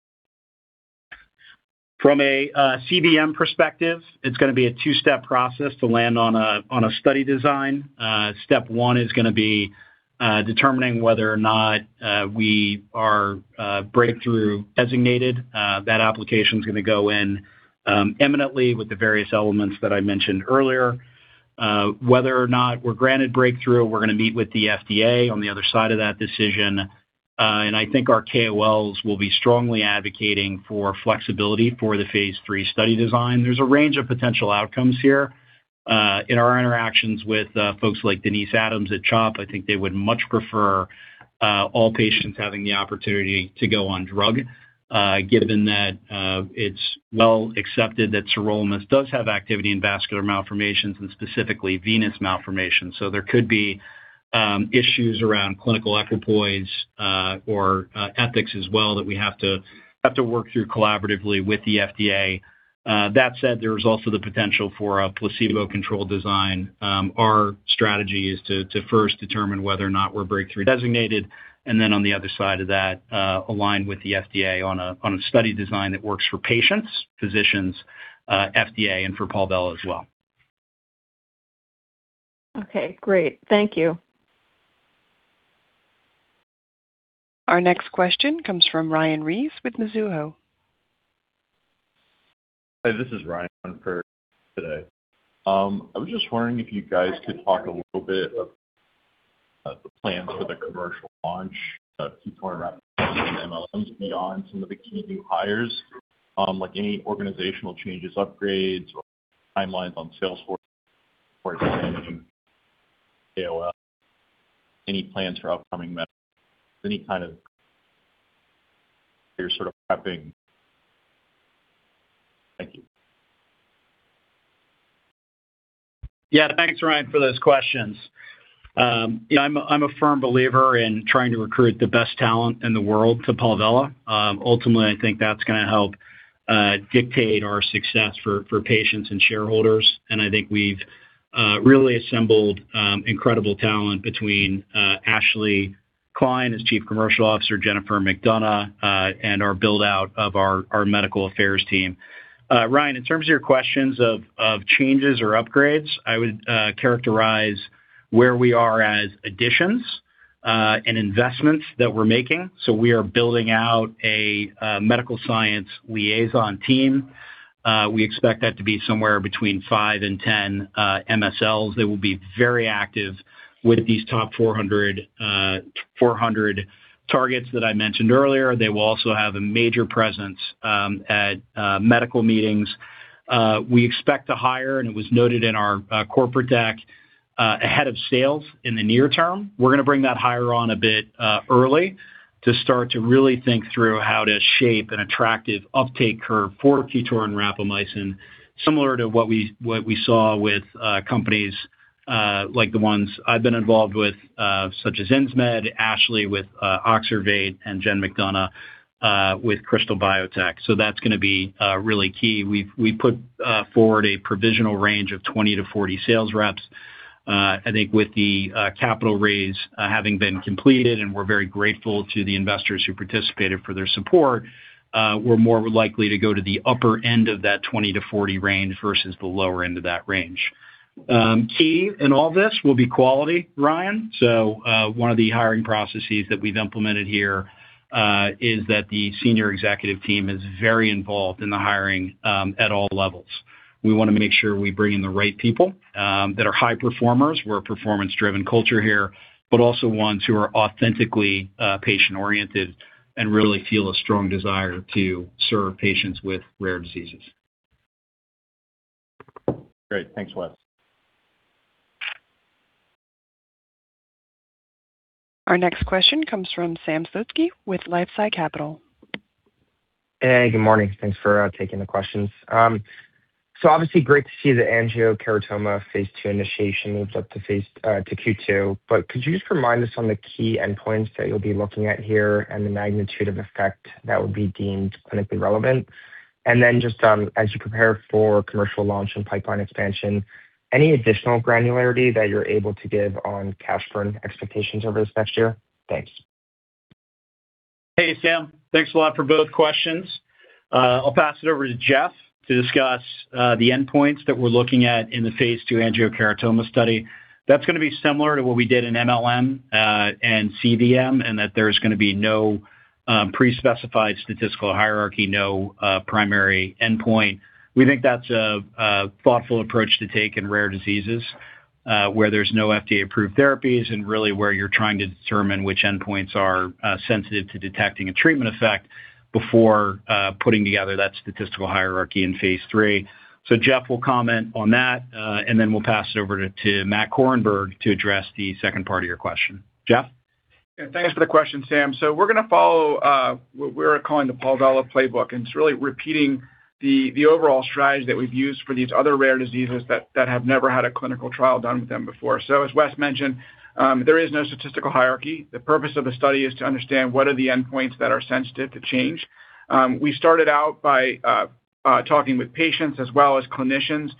S3: From a cVM perspective, it's gonna be a two-step process to land on a study design. Step one is gonna be determining whether or not we are Breakthrough designated. That application is gonna go in imminently with the various elements that I mentioned earlier. Whether or not we're granted Breakthrough, we're gonna meet with the FDA on the other side of that decision. I think our KOLs will be strongly advocating for flexibility for the phase III study design. There's a range of potential outcomes here. In our interactions with folks like Denise Adams at CHOP, I think they would much prefer all patients having the opportunity to go on drug, given that it's well accepted that sirolimus does have activity in vascular malformations, and specifically venous malformations. There could be issues around clinical equipoise or ethics as well that we have to work through collaboratively with the FDA. That said, there is also the potential for a placebo-controlled design. Our strategy is to first determine whether or not we're breakthrough designated, and then on the other side of that, align with the FDA on a study design that works for patients, physicians, FDA, and for Palvella as well.
S8: Okay, great. Thank you.
S1: Our next question comes from Ryan Ries with Mizuho.
S9: Hi, this is Ryan on for today. I was just wondering if you guys could talk a little bit about the plans for the commercial launch of QTORIN rapamycin and mLMs beyond some of the key new hires, like any organizational changes, upgrades, or timelines on sales force or expanding KOLs. Any plans for upcoming medical meetings. Any kind of you're sort of prepping. Thank you.
S3: Yeah. Thanks, Ryan, for those questions. I'm a firm believer in trying to recruit the best talent in the world to Palvella. Ultimately, I think that's gonna help dictate our success for patients and shareholders. I think we've really assembled incredible talent between Ashley Kline as Chief Commercial Officer, Jennifer McDonough, and our build-out of our medical affairs team. Ryan, in terms of your questions of changes or upgrades, I would characterize where we are as additions and investments that we're making. We are building out a medical science liaison team. We expect that to be somewhere between five and 10 MSLs. They will be very active with these Top 400 targets that I mentioned earlier. They will also have a major presence at medical meetings. We expect to hire, and it was noted in our corporate deck, a head of sales in the near term. We're gonna bring that hire on a bit early to start to really think through how to shape an attractive uptake curve for QTORIN rapamycin, similar to what we saw with companies like the ones I've been involved with, such as Insmed, Ashley with OXERVATE and Jen McDonough with Krystal Biotech. That's gonna be really key. We've put forward a provisional range of 20-40 sales reps. I think with the capital raise having been completed, and we're very grateful to the investors who participated for their support, we're more likely to go to the upper end of that 20-40 range versus the lower end of that range. Key in all this will be quality, Ryan. One of the hiring processes that we've implemented here is that the senior executive team is very involved in the hiring at all levels. We wanna make sure we bring in the right people that are high performers. We're a performance-driven culture here, but also ones who are authentically patient-oriented and really feel a strong desire to serve patients with rare diseases.
S9: Great. Thanks, Wes.
S1: Our next question comes from Sam Slutsky with LifeSci Capital.
S10: Hey, good morning. Thanks for taking the questions. So obviously, great to see the angiokeratoma phase II initiation moves up to Q2. Could you just remind us on the key endpoints that you'll be looking at here and the magnitude of effect that would be deemed clinically relevant? Just as you prepare for commercial launch and pipeline expansion, any additional granularity that you're able to give on cash burn expectations over this next year? Thanks.
S3: Hey, Sam. Thanks a lot for both questions. I'll pass it over to Jeff to discuss the endpoints that we're looking at in the phase II angiokeratoma study. That's gonna be similar to what we did in mLM and cVM, and that there's gonna be no pre-specified statistical hierarchy, no primary endpoint. We think that's a thoughtful approach to take in rare diseases, where there's no FDA-approved therapies and really where you're trying to determine which endpoints are sensitive to detecting a treatment effect before putting together that statistical hierarchy in phase III. Jeff will comment on that, and then we'll pass it over to Matt Korenberg to address the second part of your question. Jeff?
S4: Yeah. Thanks for the question, Sam. We're gonna follow what we're calling the Palvella playbook, and it's really repeating the overall strategy that we've used for these other rare diseases that have never had a clinical trial done with them before. As Wes mentioned, there is no statistical hierarchy. The purpose of the study is to understand what are the endpoints that are sensitive to change. We started out by talking with patients as well as clinicians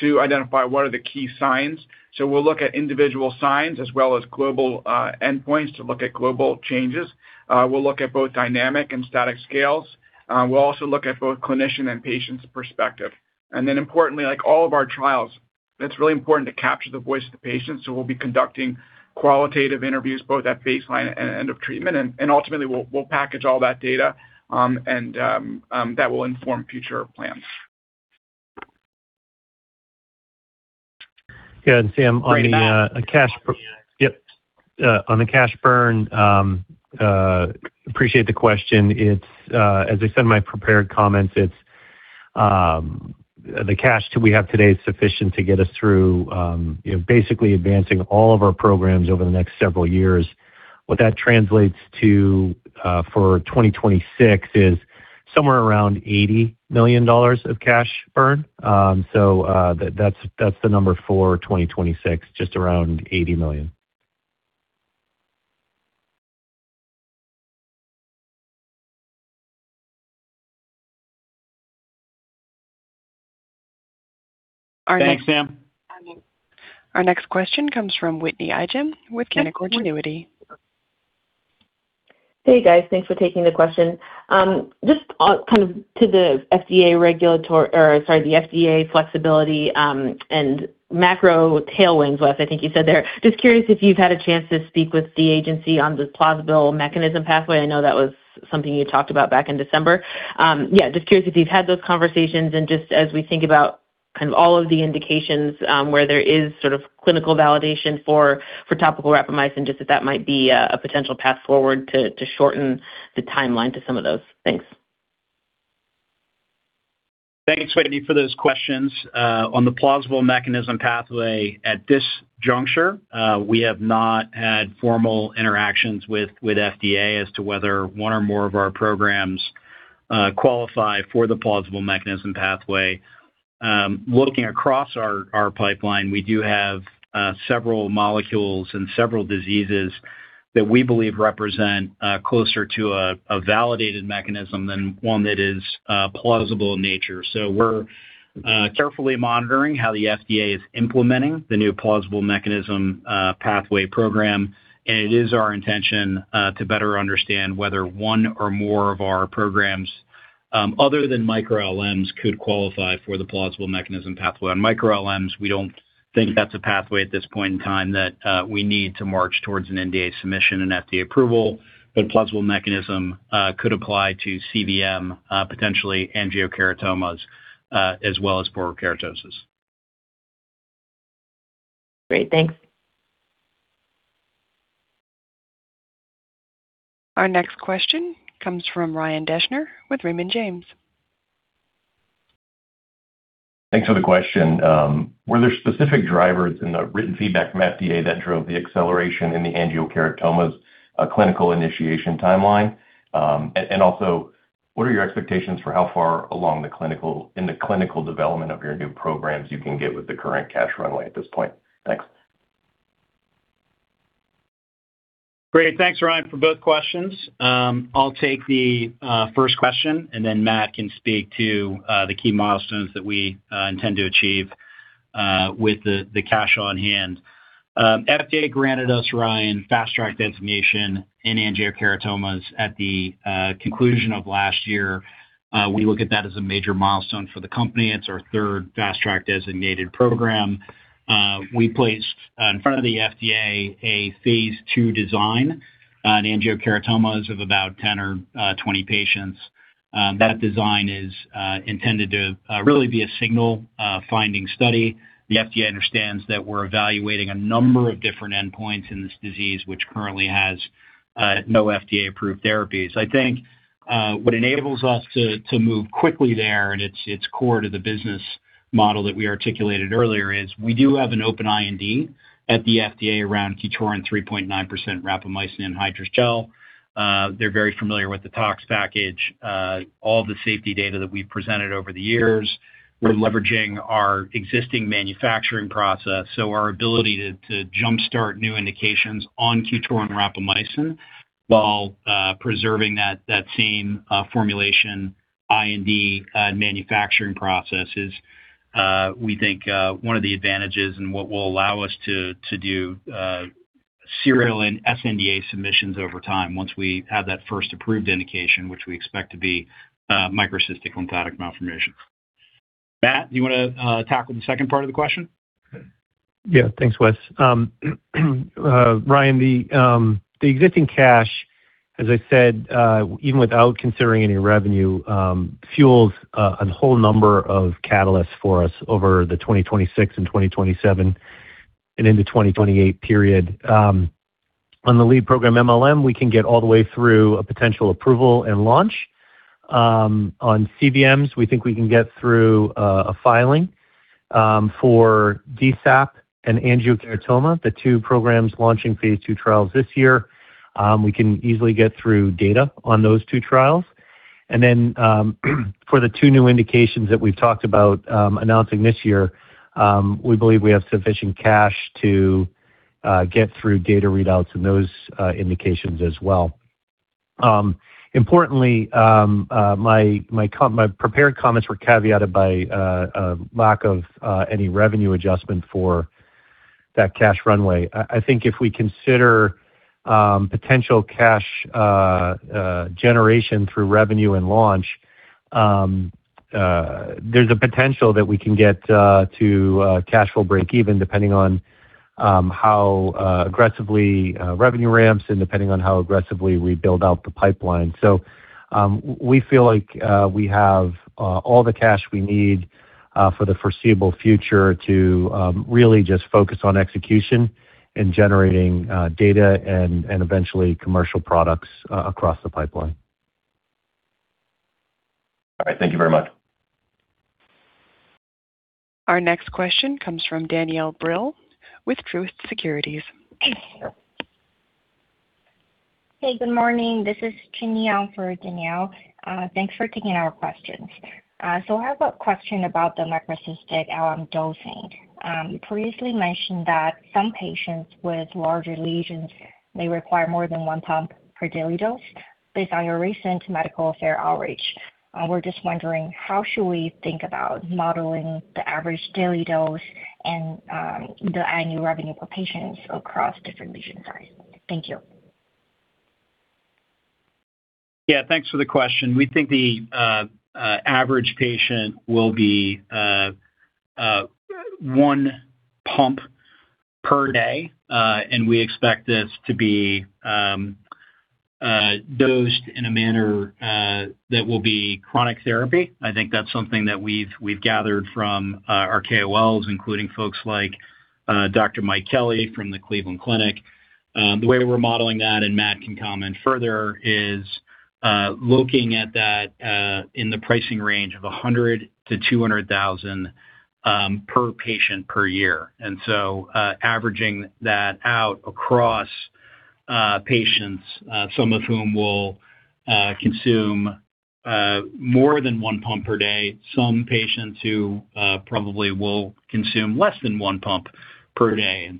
S4: to identify what are the key signs. We'll look at individual signs as well as global endpoints to look at global changes. We'll look at both dynamic and static scales. We'll also look at both clinician and patient's perspective. Importantly, like all of our trials, it's really important to capture the voice of the patient, so we'll be conducting qualitative interviews both at baseline and end of treatment. Ultimately, we'll package all that data, and that will inform future plans.
S5: Yeah. Sam, on the, cash- Yep. On the cash burn, I appreciate the question. It's as I said in my prepared comments, the cash that we have today is sufficient to get us through basically advancing all of our programs over the next several years. What that translates to for 2026 is somewhere around $80 million of cash burn. That's the number for 2026, just around $80 million.
S3: Thanks, Sam.
S1: Our next question comes from Whitney Ijem with Canaccord Genuity.
S11: Hey, guys. Thanks for taking the question. Just kind of to the FDA flexibility and macro tailwinds, Wes, I think you said there. Just curious if you've had a chance to speak with the agency on the plausible mechanism pathway. I know that was something you talked about back in December. Yeah, just curious if you've had those conversations and just as we think about kind of all of the indications where there is sort of clinical validation for topical rapamycin, just if that might be a potential path forward to shorten the timeline to some of those. Thanks.
S3: Thanks, Whitney, for those questions. On the plausible mechanism pathway, at this juncture, we have not had formal interactions with FDA as to whether one or more of our programs qualify for the plausible mechanism pathway. Looking across our pipeline, we do have several molecules and several diseases that we believe represent closer to a validated mechanism than one that is plausible in nature. We're carefully monitoring how the FDA is implementing the new plausible mechanism pathway program. It is our intention to better understand whether one or more of our programs other than microLMs could qualify for the plausible mechanism pathway. On microLMs, we don't think that's a pathway at this point in time that we need to march towards an NDA submission and FDA approval. Plausible mechanism could apply to cVM, potentially angiokeratomas, as well as porokeratosis.
S11: Great. Thanks.
S1: Our next question comes from Ryan Deschner with Raymond James.
S12: Thanks for the question. Were there specific drivers in the written feedback from FDA that drove the acceleration in the angiokeratomas clinical initiation timeline? Also, what are your expectations for how far along in the clinical development of your new programs you can get with the current cash runway at this point? Thanks.
S3: Great. Thanks, Ryan, for both questions. I'll take the first question, and then Matt can speak to the key milestones that we intend to achieve with the cash on hand. FDA granted us, Ryan, Fast Track designation in angiokeratomas at the conclusion of last year. We look at that as a major milestone for the company. It's our third Fast Track designated program. We placed in front of the FDA a phase II design on angiokeratomas of about 10 or 20 patients. That design is intended to really be a signal finding study. The FDA understands that we're evaluating a number of different endpoints in this disease, which currently has no FDA-approved therapies. I think what enables us to move quickly there, and it's core to the business model that we articulated earlier, is we do have an open IND at the FDA around QTORIN 3.9% rapamycin anhydrous gel. They're very familiar with the tox package, all the safety data that we presented over the years. We're leveraging our existing manufacturing process, so our ability to jumpstart new indications on QTORIN rapamycin while preserving that same formulation, IND, manufacturing process is, we think, one of the advantages and what will allow us to do serial and sNDA submissions over time once we have that first approved indication, which we expect to be microcystic lymphatic malformation. Matt, do you wanna tackle the second part of the question?
S5: Yeah. Thanks, Wes. Ryan, the existing cash, as I said, even without considering any revenue, fuels a whole number of catalysts for us over the 2026 and 2027 and into 2028 period. On the lead program mLM, we can get all the way through a potential approval and launch. On cVMs, we think we can get through a filing. For DSAP and angiokeratoma, the two programs launching phase II trials this year, we can easily get through data on those two trials. For the two new indications that we've talked about announcing this year, we believe we have sufficient cash to get through data readouts in those indications as well. Importantly, my prepared comments were caveated by lack of any revenue adjustment for that cash runway. I think if we consider potential cash generation through revenue and launch, there's a potential that we can get to cash flow breakeven depending on how aggressively revenue ramps and depending on how aggressively we build out the pipeline. We feel like we have all the cash we need for the foreseeable future to really just focus on execution and generating data and eventually commercial products across the pipeline.
S12: All right. Thank you very much.
S1: Our next question comes from Danielle Brill with Truist Securities.
S13: Hey, good morning. This is Jin Yong for Danielle. Thanks for taking our questions. So I have a question about the microcystic LM dosing. You previously mentioned that some patients with larger lesions may require more than 1 ppd dose based on your recent medical affairs outreach. We're just wondering how we should think about modeling the average daily dose and the annual revenue per patient across different lesion sizes. Thank you.
S3: Yeah, thanks for the question. We think the average patient will be 1 ppd, and we expect this to be dosed in a manner that will be chronic therapy. I think that's something that we've gathered from our KOLs, including folks like Dr. Mike Kelly from the Cleveland Clinic. The way we're modeling that, and Matt can comment further, is looking at that in the pricing range of $100,000-$200,000 per patient per year. Averaging that out across patients, some of whom will consume more than 1 ppd, some patients who probably will consume less than 1 ppd.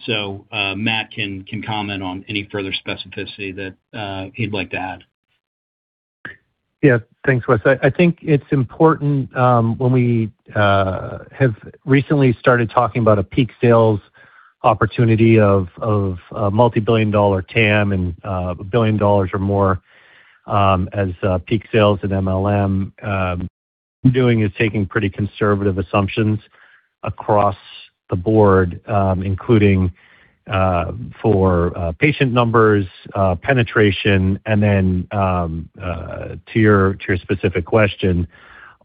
S3: Matt can comment on any further specificity that he'd like to add.
S5: Yeah. Thanks, Wes. I think it's important when we have recently started talking about a peak sales opportunity of multi-billion dollar TAM and $1 billion or more as peak sales at mLM, which is taking pretty conservative assumptions across the board, including for patient numbers, penetration, and then to your specific question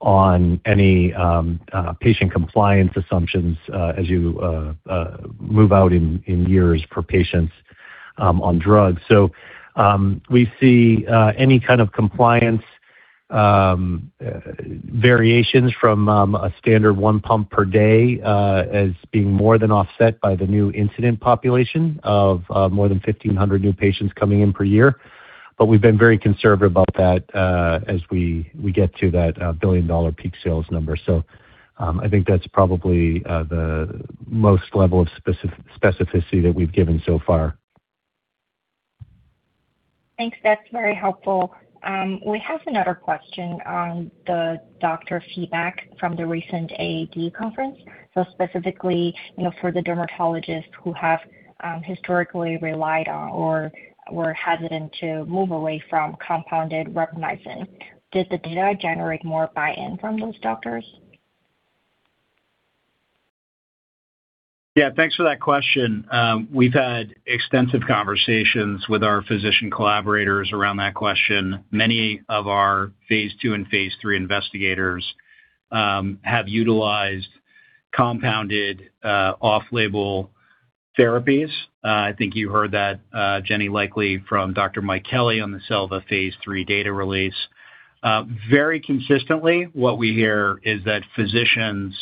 S5: on any patient compliance assumptions as you move out in years for patients on drugs. We see any kind of compliance variations from a standard 1 ppd as being more than offset by the new incident population of more than 1,500 new patients coming in per year. We've been very conservative about that, as we get to that $1 billion peak sales number. I think that's probably the most level of specificity that we've given so far.
S13: Thanks. That's very helpful. We have another question on the doctor feedback from the recent AAD conference. Specifically, you know, for the dermatologists who have historically relied on or were hesitant to move away from compounded rapamycin, did the data generate more buy-in from those doctors?
S3: Yeah. Thanks for that question. We've had extensive conversations with our physician collaborators around that question. Many of our phase II and phase III investigators have utilized compounded off-label therapies. I think you heard that, Jenny, likely from Dr. Mike Kelly on the SELVA phase III data release. Very consistently what we hear is that physicians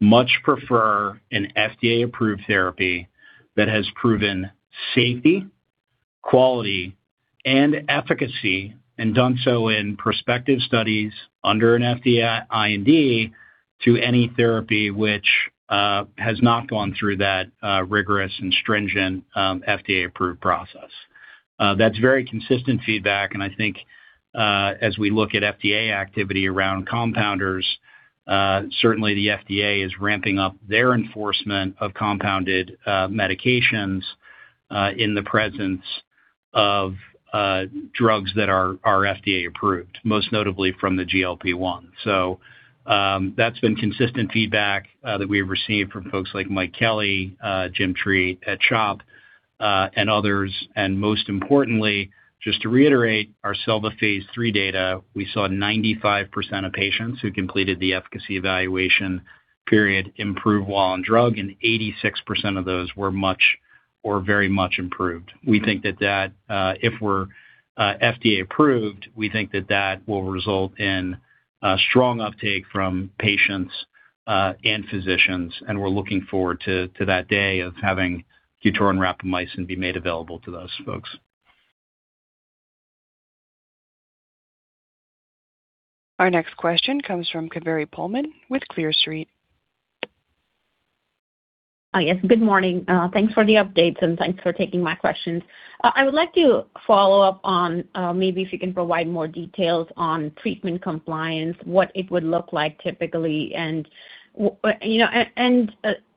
S3: much prefer an FDA-approved therapy that has proven safety, quality, and efficacy, and done so in prospective studies under an FDA IND to any therapy which has not gone through that rigorous and stringent FDA-approved process. That's very consistent feedback, and I think, as we look at FDA activity around compounders, certainly the FDA is ramping up their enforcement of compounded medications in the presence of drugs that are FDA-approved, most notably from the GLP-1. That's been consistent feedback that we have received from folks like Mike Kelly, Jim Treat at CHOP, and others. Most importantly, just to reiterate our SELVA phase III data, we saw 95% of patients who completed the efficacy evaluation period improve while on drug, and 86% of those were much or very much improved. We think that if we're FDA approved, we think that will result in a strong uptake from patients and physicians, and we're looking forward to that day of having QTORIN rapamycin be made available to those folks.
S1: Our next question comes from Kaveri Pohlman with Clear Street.
S14: Oh, yes. Good morning. Thanks for the updates, and thanks for taking my questions. I would like to follow up on maybe if you can provide more details on treatment compliance, what it would look like typically,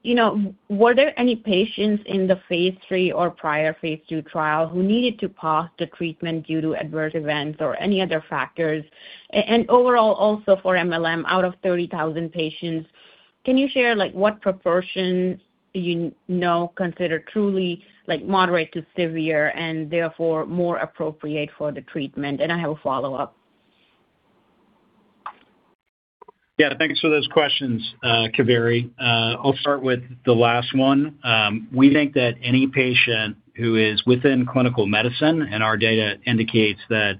S14: and were there any patients in the phase III or prior phase II trial who needed to pause the treatment due to adverse events or any other factors? And overall also for mLM, out of 30,000 patients, can you share, like, what proportion you know consider truly, like, moderate to severe and therefore more appropriate for the treatment? I have a follow-up.
S3: Yeah. Thanks for those questions, Kaveri. I'll start with the last one. We think that any patient who is within clinical medicine, and our data indicates that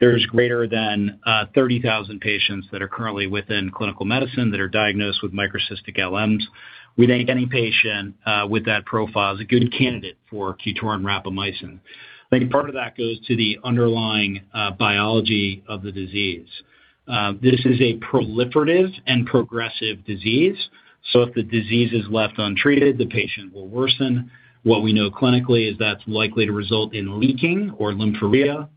S3: there's greater than 30,000 patients that are currently within clinical medicine that are diagnosed with microcystic LMs. We think any patient with that profile is a good candidate for QTORIN rapamycin. I think part of that goes to the underlying biology of the disease. This is a proliferative and progressive disease, so if the disease is left untreated, the patient will worsen. What we know clinically is that's likely to result in leaking or lymphorrhea,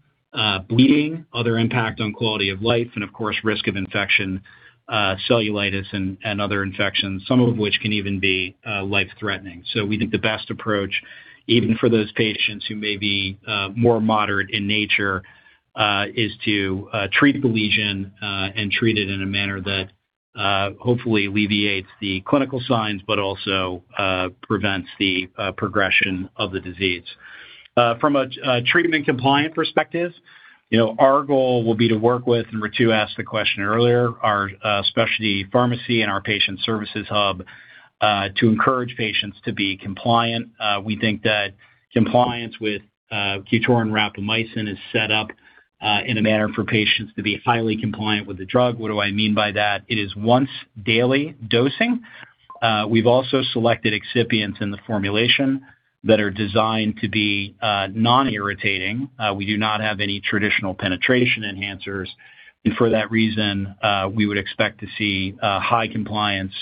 S3: bleeding, other impact on quality of life and of course risk of infection, cellulitis and other infections, some of which can even be life-threatening. We think the best approach, even for those patients who may be more moderate in nature, is to treat the lesion and treat it in a manner that hopefully alleviates the clinical signs but also prevents the progression of the disease. From a treatment compliance perspective, you know, our goal will be to work with, and Ritu asked the question earlier, our specialty pharmacy and our patient services hub to encourage patients to be compliant. We think that compliance with QTORIN rapamycin is set up in a manner for patients to be highly compliant with the drug. What do I mean by that? It is once daily dosing. We've also selected excipients in the formulation that are designed to be non-irritating. We do not have any traditional penetration enhancers. For that reason, we would expect to see high compliance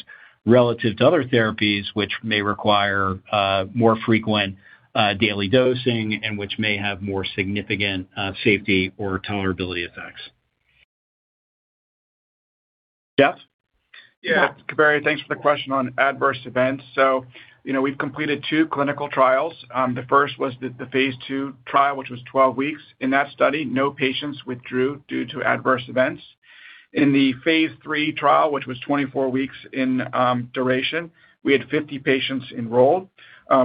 S3: relative to other therapies which may require more frequent daily dosing and which may have more significant safety or tolerability effects. Jeff?
S4: Yeah. Kaveri, thanks for the question on adverse events. You know, we've completed two clinical trials. The first was the phase II trial, which was 12 weeks. In that study, no patients withdrew due to adverse events. In the phase III trial, which was 24 weeks in duration, we had 50 patients enrolled.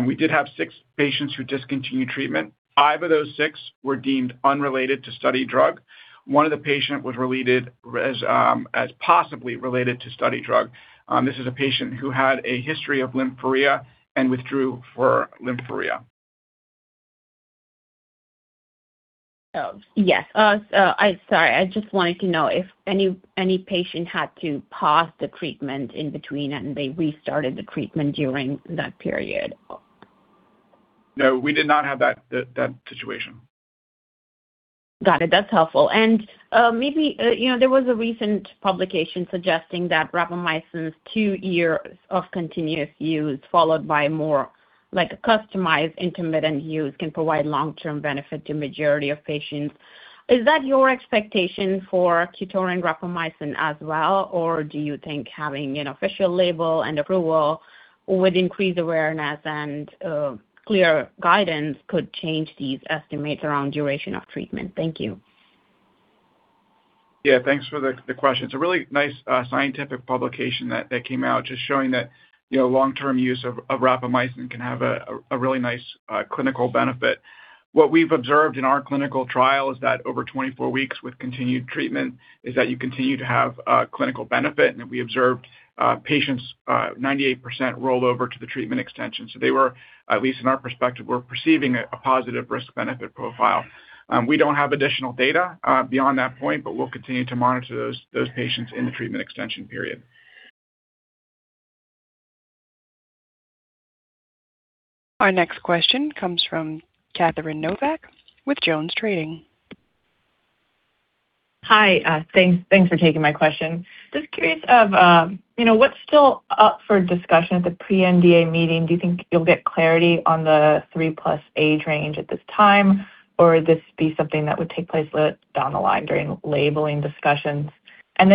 S4: We did have six patients who discontinued treatment. Five of those six were deemed unrelated to study drug. One of the patients was related as possibly related to study drug. This is a patient who had a history of lymphorrhea and withdrew for lymphorrhea.
S14: Oh, yes. Sorry. I just wanted to know if any patient had to pause the treatment in between and they restarted the treatment during that period?
S4: No, we did not have that situation.
S14: Got it. That's helpful. Maybe there was a recent publication suggesting that rapamycin's two years of continuous use followed by more like a customized intermittent use can provide long-term benefit to majority of patients. Is that your expectation for QTORIN rapamycin as well? Do you think having an official label and approval would increase awareness, and clear guidance could change these estimates around duration of treatment? Thank you.
S4: Thanks for the question. It's a really nice scientific publication that came out just showing that, you know, long-term use of rapamycin can have a really nice clinical benefit. What we've observed in our clinical trial is that over 24 weeks with continued treatment you continue to have clinical benefit, and that we observed 98% of patients roll over to the treatment extension. So they were, at least in our perspective, perceiving a positive risk-benefit profile. We don't have additional data beyond that point, but we'll continue to monitor those patients in the treatment extension period.
S1: Our next question comes from Catherine Novack with JonesTrading.
S15: Hi. Thanks for taking my question. Just curious of, you know, what's still up for discussion at the pre-NDA meeting. Do you think you'll get clarity on the 3+ age range at this time, or would this be something that would take place down the line during labeling discussions?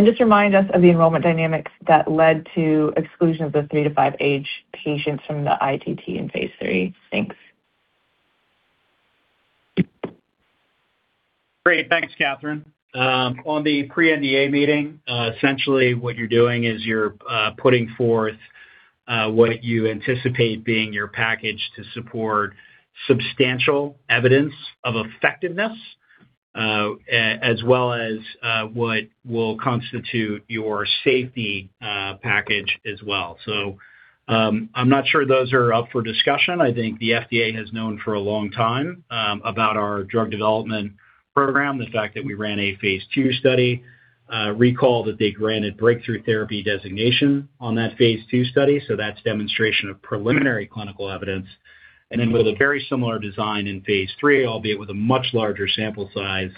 S15: Just remind us of the enrollment dynamics that led to exclusion of the three to five age patients from the ITT in phase III. Thanks.
S3: Great. Thanks, Catherine. On the pre-NDA meeting, essentially what you're doing is you're putting forth what you anticipate being your package to support substantial evidence of effectiveness, as well as what will constitute your safety package as well. I'm not sure those are up for discussion. I think the FDA has known for a long time about our drug development program, the fact that we ran a phase II study. Recall that they granted Breakthrough Therapy designation on that phase II study, so that's demonstration of preliminary clinical evidence. With a very similar design in phase III, albeit with a much larger sample size,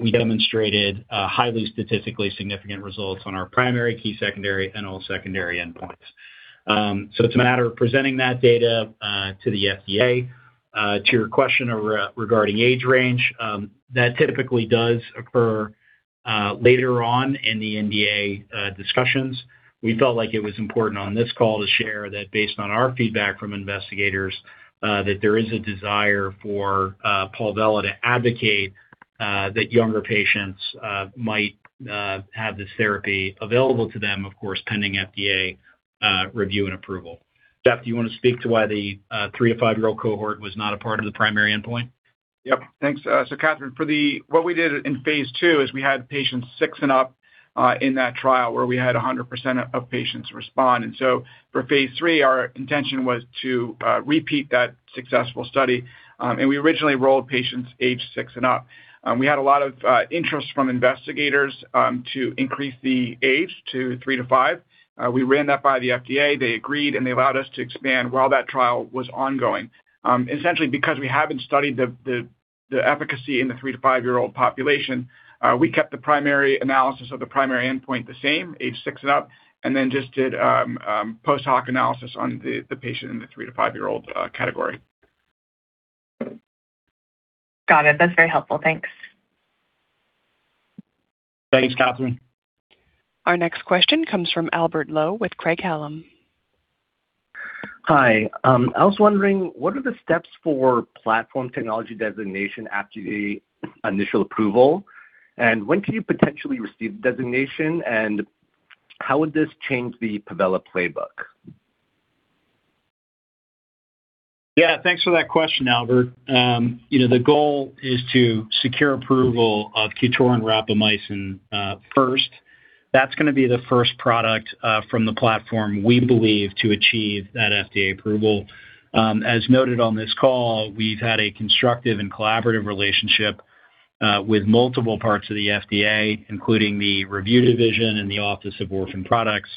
S3: we demonstrated highly statistically significant results on our primary, key secondary, and all secondary endpoints. It's a matter of presenting that data to the FDA. To your question regarding age range, that typically does occur later on in the NDA discussions. We felt like it was important on this call to share that based on our feedback from investigators, that there is a desire for Palvella to advocate that younger patients might have this therapy available to them, of course, pending FDA review and approval. Jeff, do you wanna speak to why the three to five year-old cohort was not a part of the primary endpoint?
S4: Yep. Thanks. Catherine, what we did in phase II is we had patients six and up in that trial where we had 100% of patients respond. For phase III, our intention was to repeat that successful study. We originally enrolled patients age six and up. We had a lot of interest from investigators to increase the age to three to five. We ran that by the FDA. They agreed, and they allowed us to expand while that trial was ongoing. Essentially because we haven't studied the efficacy in the three to five year-old population, we kept the primary analysis of the primary endpoint the same, age six and up, and then just did post-hoc analysis on the patient in the three to five year-old category.
S15: Got it. That's very helpful. Thanks.
S3: Thanks, Catherine.
S1: Our next question comes from Albert Lowe with Craig-Hallum.
S16: Hi. I was wondering, what are the steps for platform technology designation after the initial approval? When can you potentially receive designation, and how would this change the Palvella playbook?
S3: Yeah. Thanks for that question, Albert. The goal is to secure approval of QTORIN rapamycin first. That's gonna be the first product from the platform, we believe, to achieve that FDA approval. As noted on this call, we've had a constructive and collaborative relationship with multiple parts of the FDA, including the review division and the Office of Orphan Products.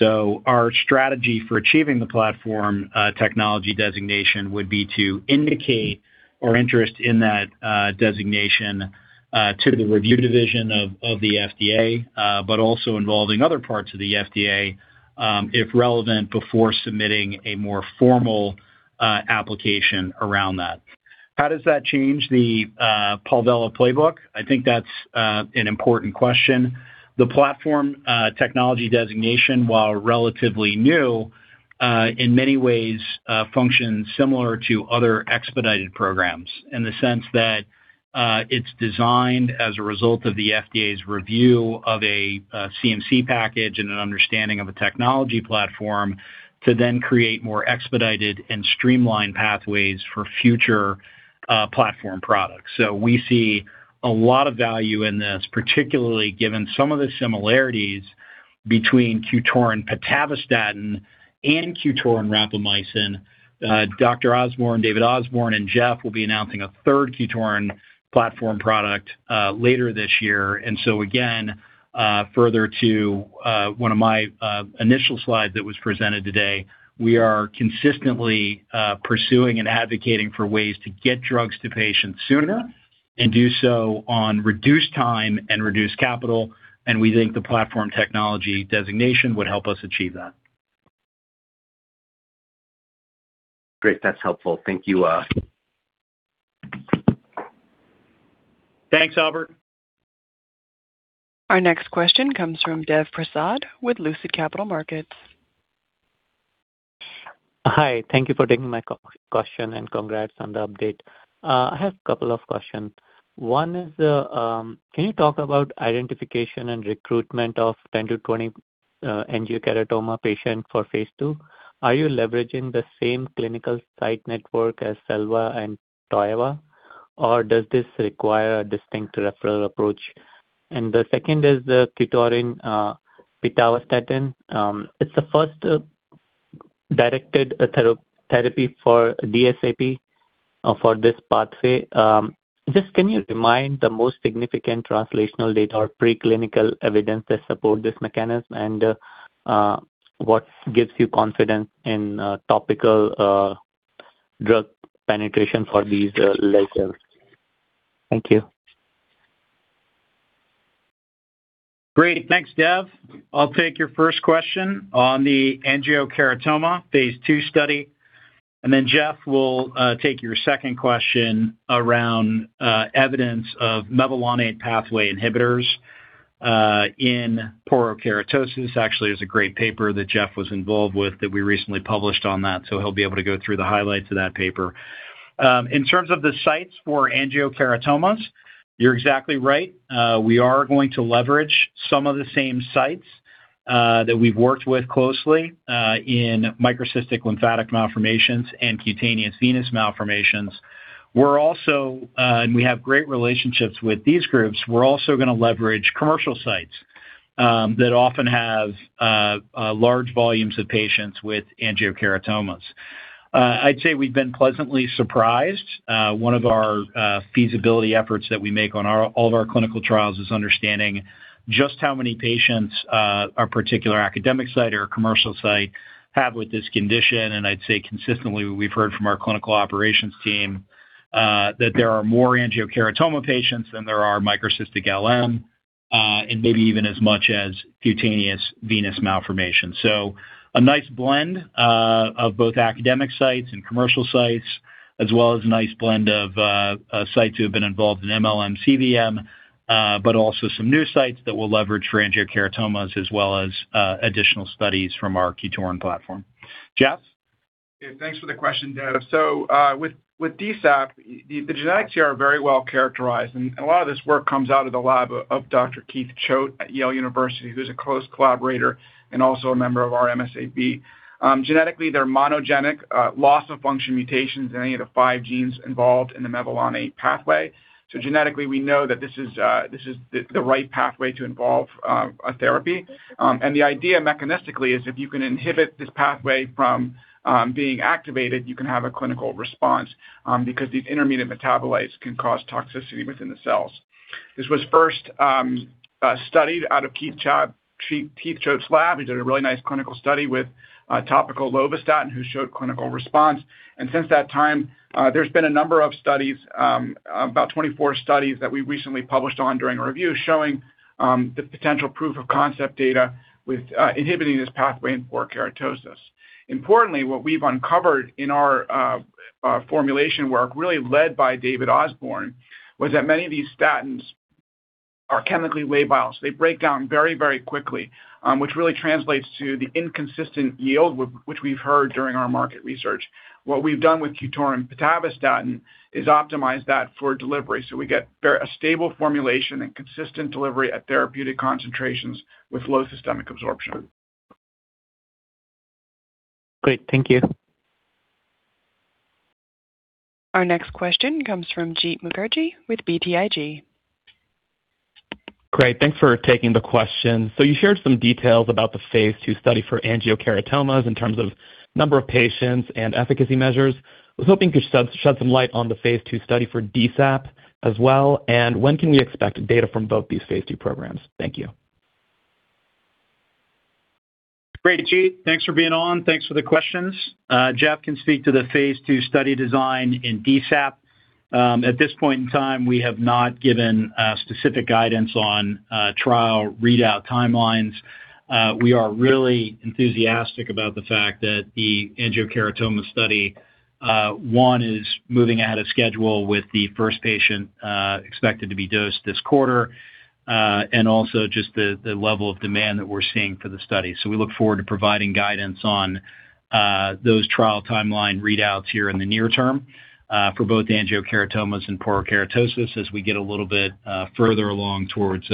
S3: Our strategy for achieving the platform technology designation would be to indicate our interest in that designation to the review division of the FDA, but also involving other parts of the FDA, if relevant, before submitting a more formal application around that. How does that change the Palvella playbook? I think that's an important question. The platform technology designation, while relatively new, in many ways, functions similar to other expedited programs in the sense that, it's designed as a result of the FDA's review of a, CMC package and an understanding of a technology platform to then create more expedited and streamlined pathways for future, platform products. We see a lot of value in this, particularly given some of the similarities between QTORIN pitavastatin and QTORIN rapamycin. Dr. Osborne, David Osborne, and Jeff will be announcing a third QTORIN platform product later this year. Again, further to one of my initial slides that was presented today, we are consistently pursuing and advocating for ways to get drugs to patients sooner and do so on reduced time and reduced capital, and we think the platform technology designation would help us achieve that.
S16: Great. That's helpful. Thank you.
S3: Thanks, Albert.
S1: Our next question comes from Dev Prasad with Lucid Capital Markets.
S17: Hi. Thank you for taking my question, and congrats on the update. I have a couple of questions. One is, can you talk about identification and recruitment of 10-20 angiokeratoma patient for phase II? Are you leveraging the same clinical site network as SELVA and TOIVA, or does this require a distinct referral approach? The second is the QTORIN pitavastatin. It's the first directed therapy for DSAP for this pathway. Just can you remind the most significant translational data or preclinical evidence that support this mechanism and what gives you confidence in topical drug penetration for these lesions? Thank you.
S3: Great. Thanks, Dev. I'll take your first question on the angiokeratoma phase II study, and then Jeff will take your second question around evidence of mevalonate pathway inhibitors in porokeratosis. Actually, there's a great paper that Jeff was involved with that we recently published on that, so he'll be able to go through the highlights of that paper. In terms of the sites for angiokeratomas, you're exactly right. We are going to leverage some of the same sites that we've worked with closely in microcystic lymphatic malformations and cutaneous venous malformations. We have great relationships with these groups. We're also gonna leverage commercial sites that often have large volumes of patients with angiokeratomas. I'd say we've been pleasantly surprised. One of our feasibility efforts that we make on our all of our clinical trials is understanding just how many patients a particular academic site or a commercial site have with this condition. I'd say consistently, we've heard from our clinical operations team that there are more angiokeratoma patients than there are microcystic LM and maybe even as much as cutaneous venous malformation. A nice blend of both academic sites and commercial sites, as well as a nice blend of sites who have been involved in mLM, cVM but also some new sites that will leverage for angiokeratomas as well as additional studies from our QTORIN platform. Jeff?
S4: Yeah, thanks for the question, Dev. With DSAP, the genetics here are very well characterized, and a lot of this work comes out of the lab of Dr. Keith Choate at Yale University, who's a close collaborator and also a member of our MSAB. Genetically, they're monogenic loss-of-function mutations in any of the five genes involved in the mevalonate pathway. We know that this is the right pathway to involve a therapy. The idea mechanistically is if you can inhibit this pathway from being activated, you can have a clinical response because these intermediate metabolites can cause toxicity within the cells. This was first studied out of Keith Choate's lab. He did a really nice clinical study with topical lovastatin who showed clinical response. Since that time, there's been a number of studies, about 24 studies that we recently published on during a review showing the potential proof of concept data with inhibiting this pathway in porokeratosis. Importantly, what we've uncovered in our formulation work, really led by David Osborne, was that many of these statins are chemically labile, so they break down very, very quickly, which really translates to the inconsistent yield which we've heard during our market research. What we've done with QTORIN pitavastatin is optimize that for delivery, so we get a very stable formulation and consistent delivery at therapeutic concentrations with low systemic absorption.
S17: Great. Thank you.
S1: Our next question comes from Jeet Mukherjee with BTIG.
S18: Great. Thanks for taking the question. You shared some details about the phase II study for angiokeratomas in terms of number of patients and efficacy measures. I was hoping you could shed some light on the phase II study for DSAP as well. When can we expect data from both these phase II programs? Thank you.
S3: Great, Jeet. Thanks for being on. Thanks for the questions. Jeff can speak to the phase II study design in DSAP. At this point in time, we have not given specific guidance on trial readout timelines. We are really enthusiastic about the fact that the angiokeratoma study one is moving ahead of schedule with the first patient expected to be dosed this quarter, and also just the level of demand that we're seeing for the study. We look forward to providing guidance on those trial timeline readouts here in the near term for both angiokeratomas and porokeratosis as we get a little bit further along towards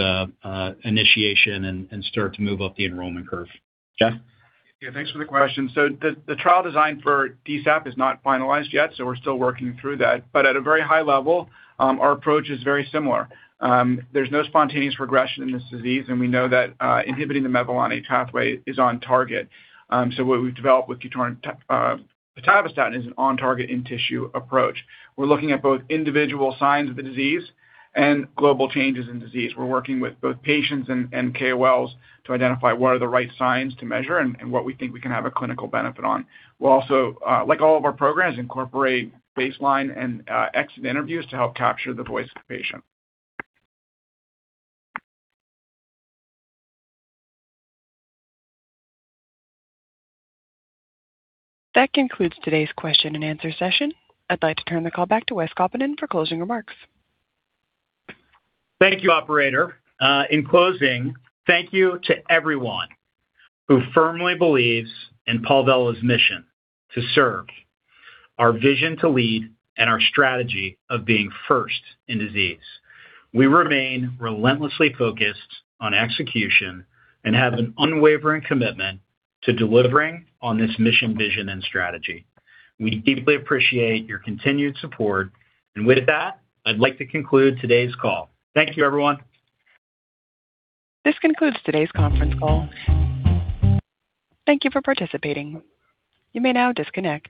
S3: initiation and start to move up the enrollment curve. Jeff?
S4: Yeah, thanks for the question. The trial design for DSAP is not finalized yet, so we're still working through that. At a very high level, our approach is very similar. There's no spontaneous regression in this disease, and we know that inhibiting the mevalonate pathway is on target. What we've developed with QTORIN pitavastatin is an on target in tissue approach. We're looking at both individual signs of the disease and global changes in disease. We're working with both patients and KOLs to identify what are the right signs to measure and what we think we can have a clinical benefit on. We'll also, like all of our programs, incorporate baseline and exit interviews to help capture the voice of the patient.
S1: That concludes today's question-and-answer session. I'd like to turn the call back to Wes Kaupinen for closing remarks.
S3: Thank you, operator. In closing, thank you to everyone who firmly believes in Palvella's mission to serve, our vision to lead, and our strategy of being first in disease. We remain relentlessly focused on execution and have an unwavering commitment to delivering on this mission, vision, and strategy. We deeply appreciate your continued support. With that, I'd like to conclude today's call. Thank you, everyone.
S1: This concludes today's conference call. Thank you for participating. You may now disconnect.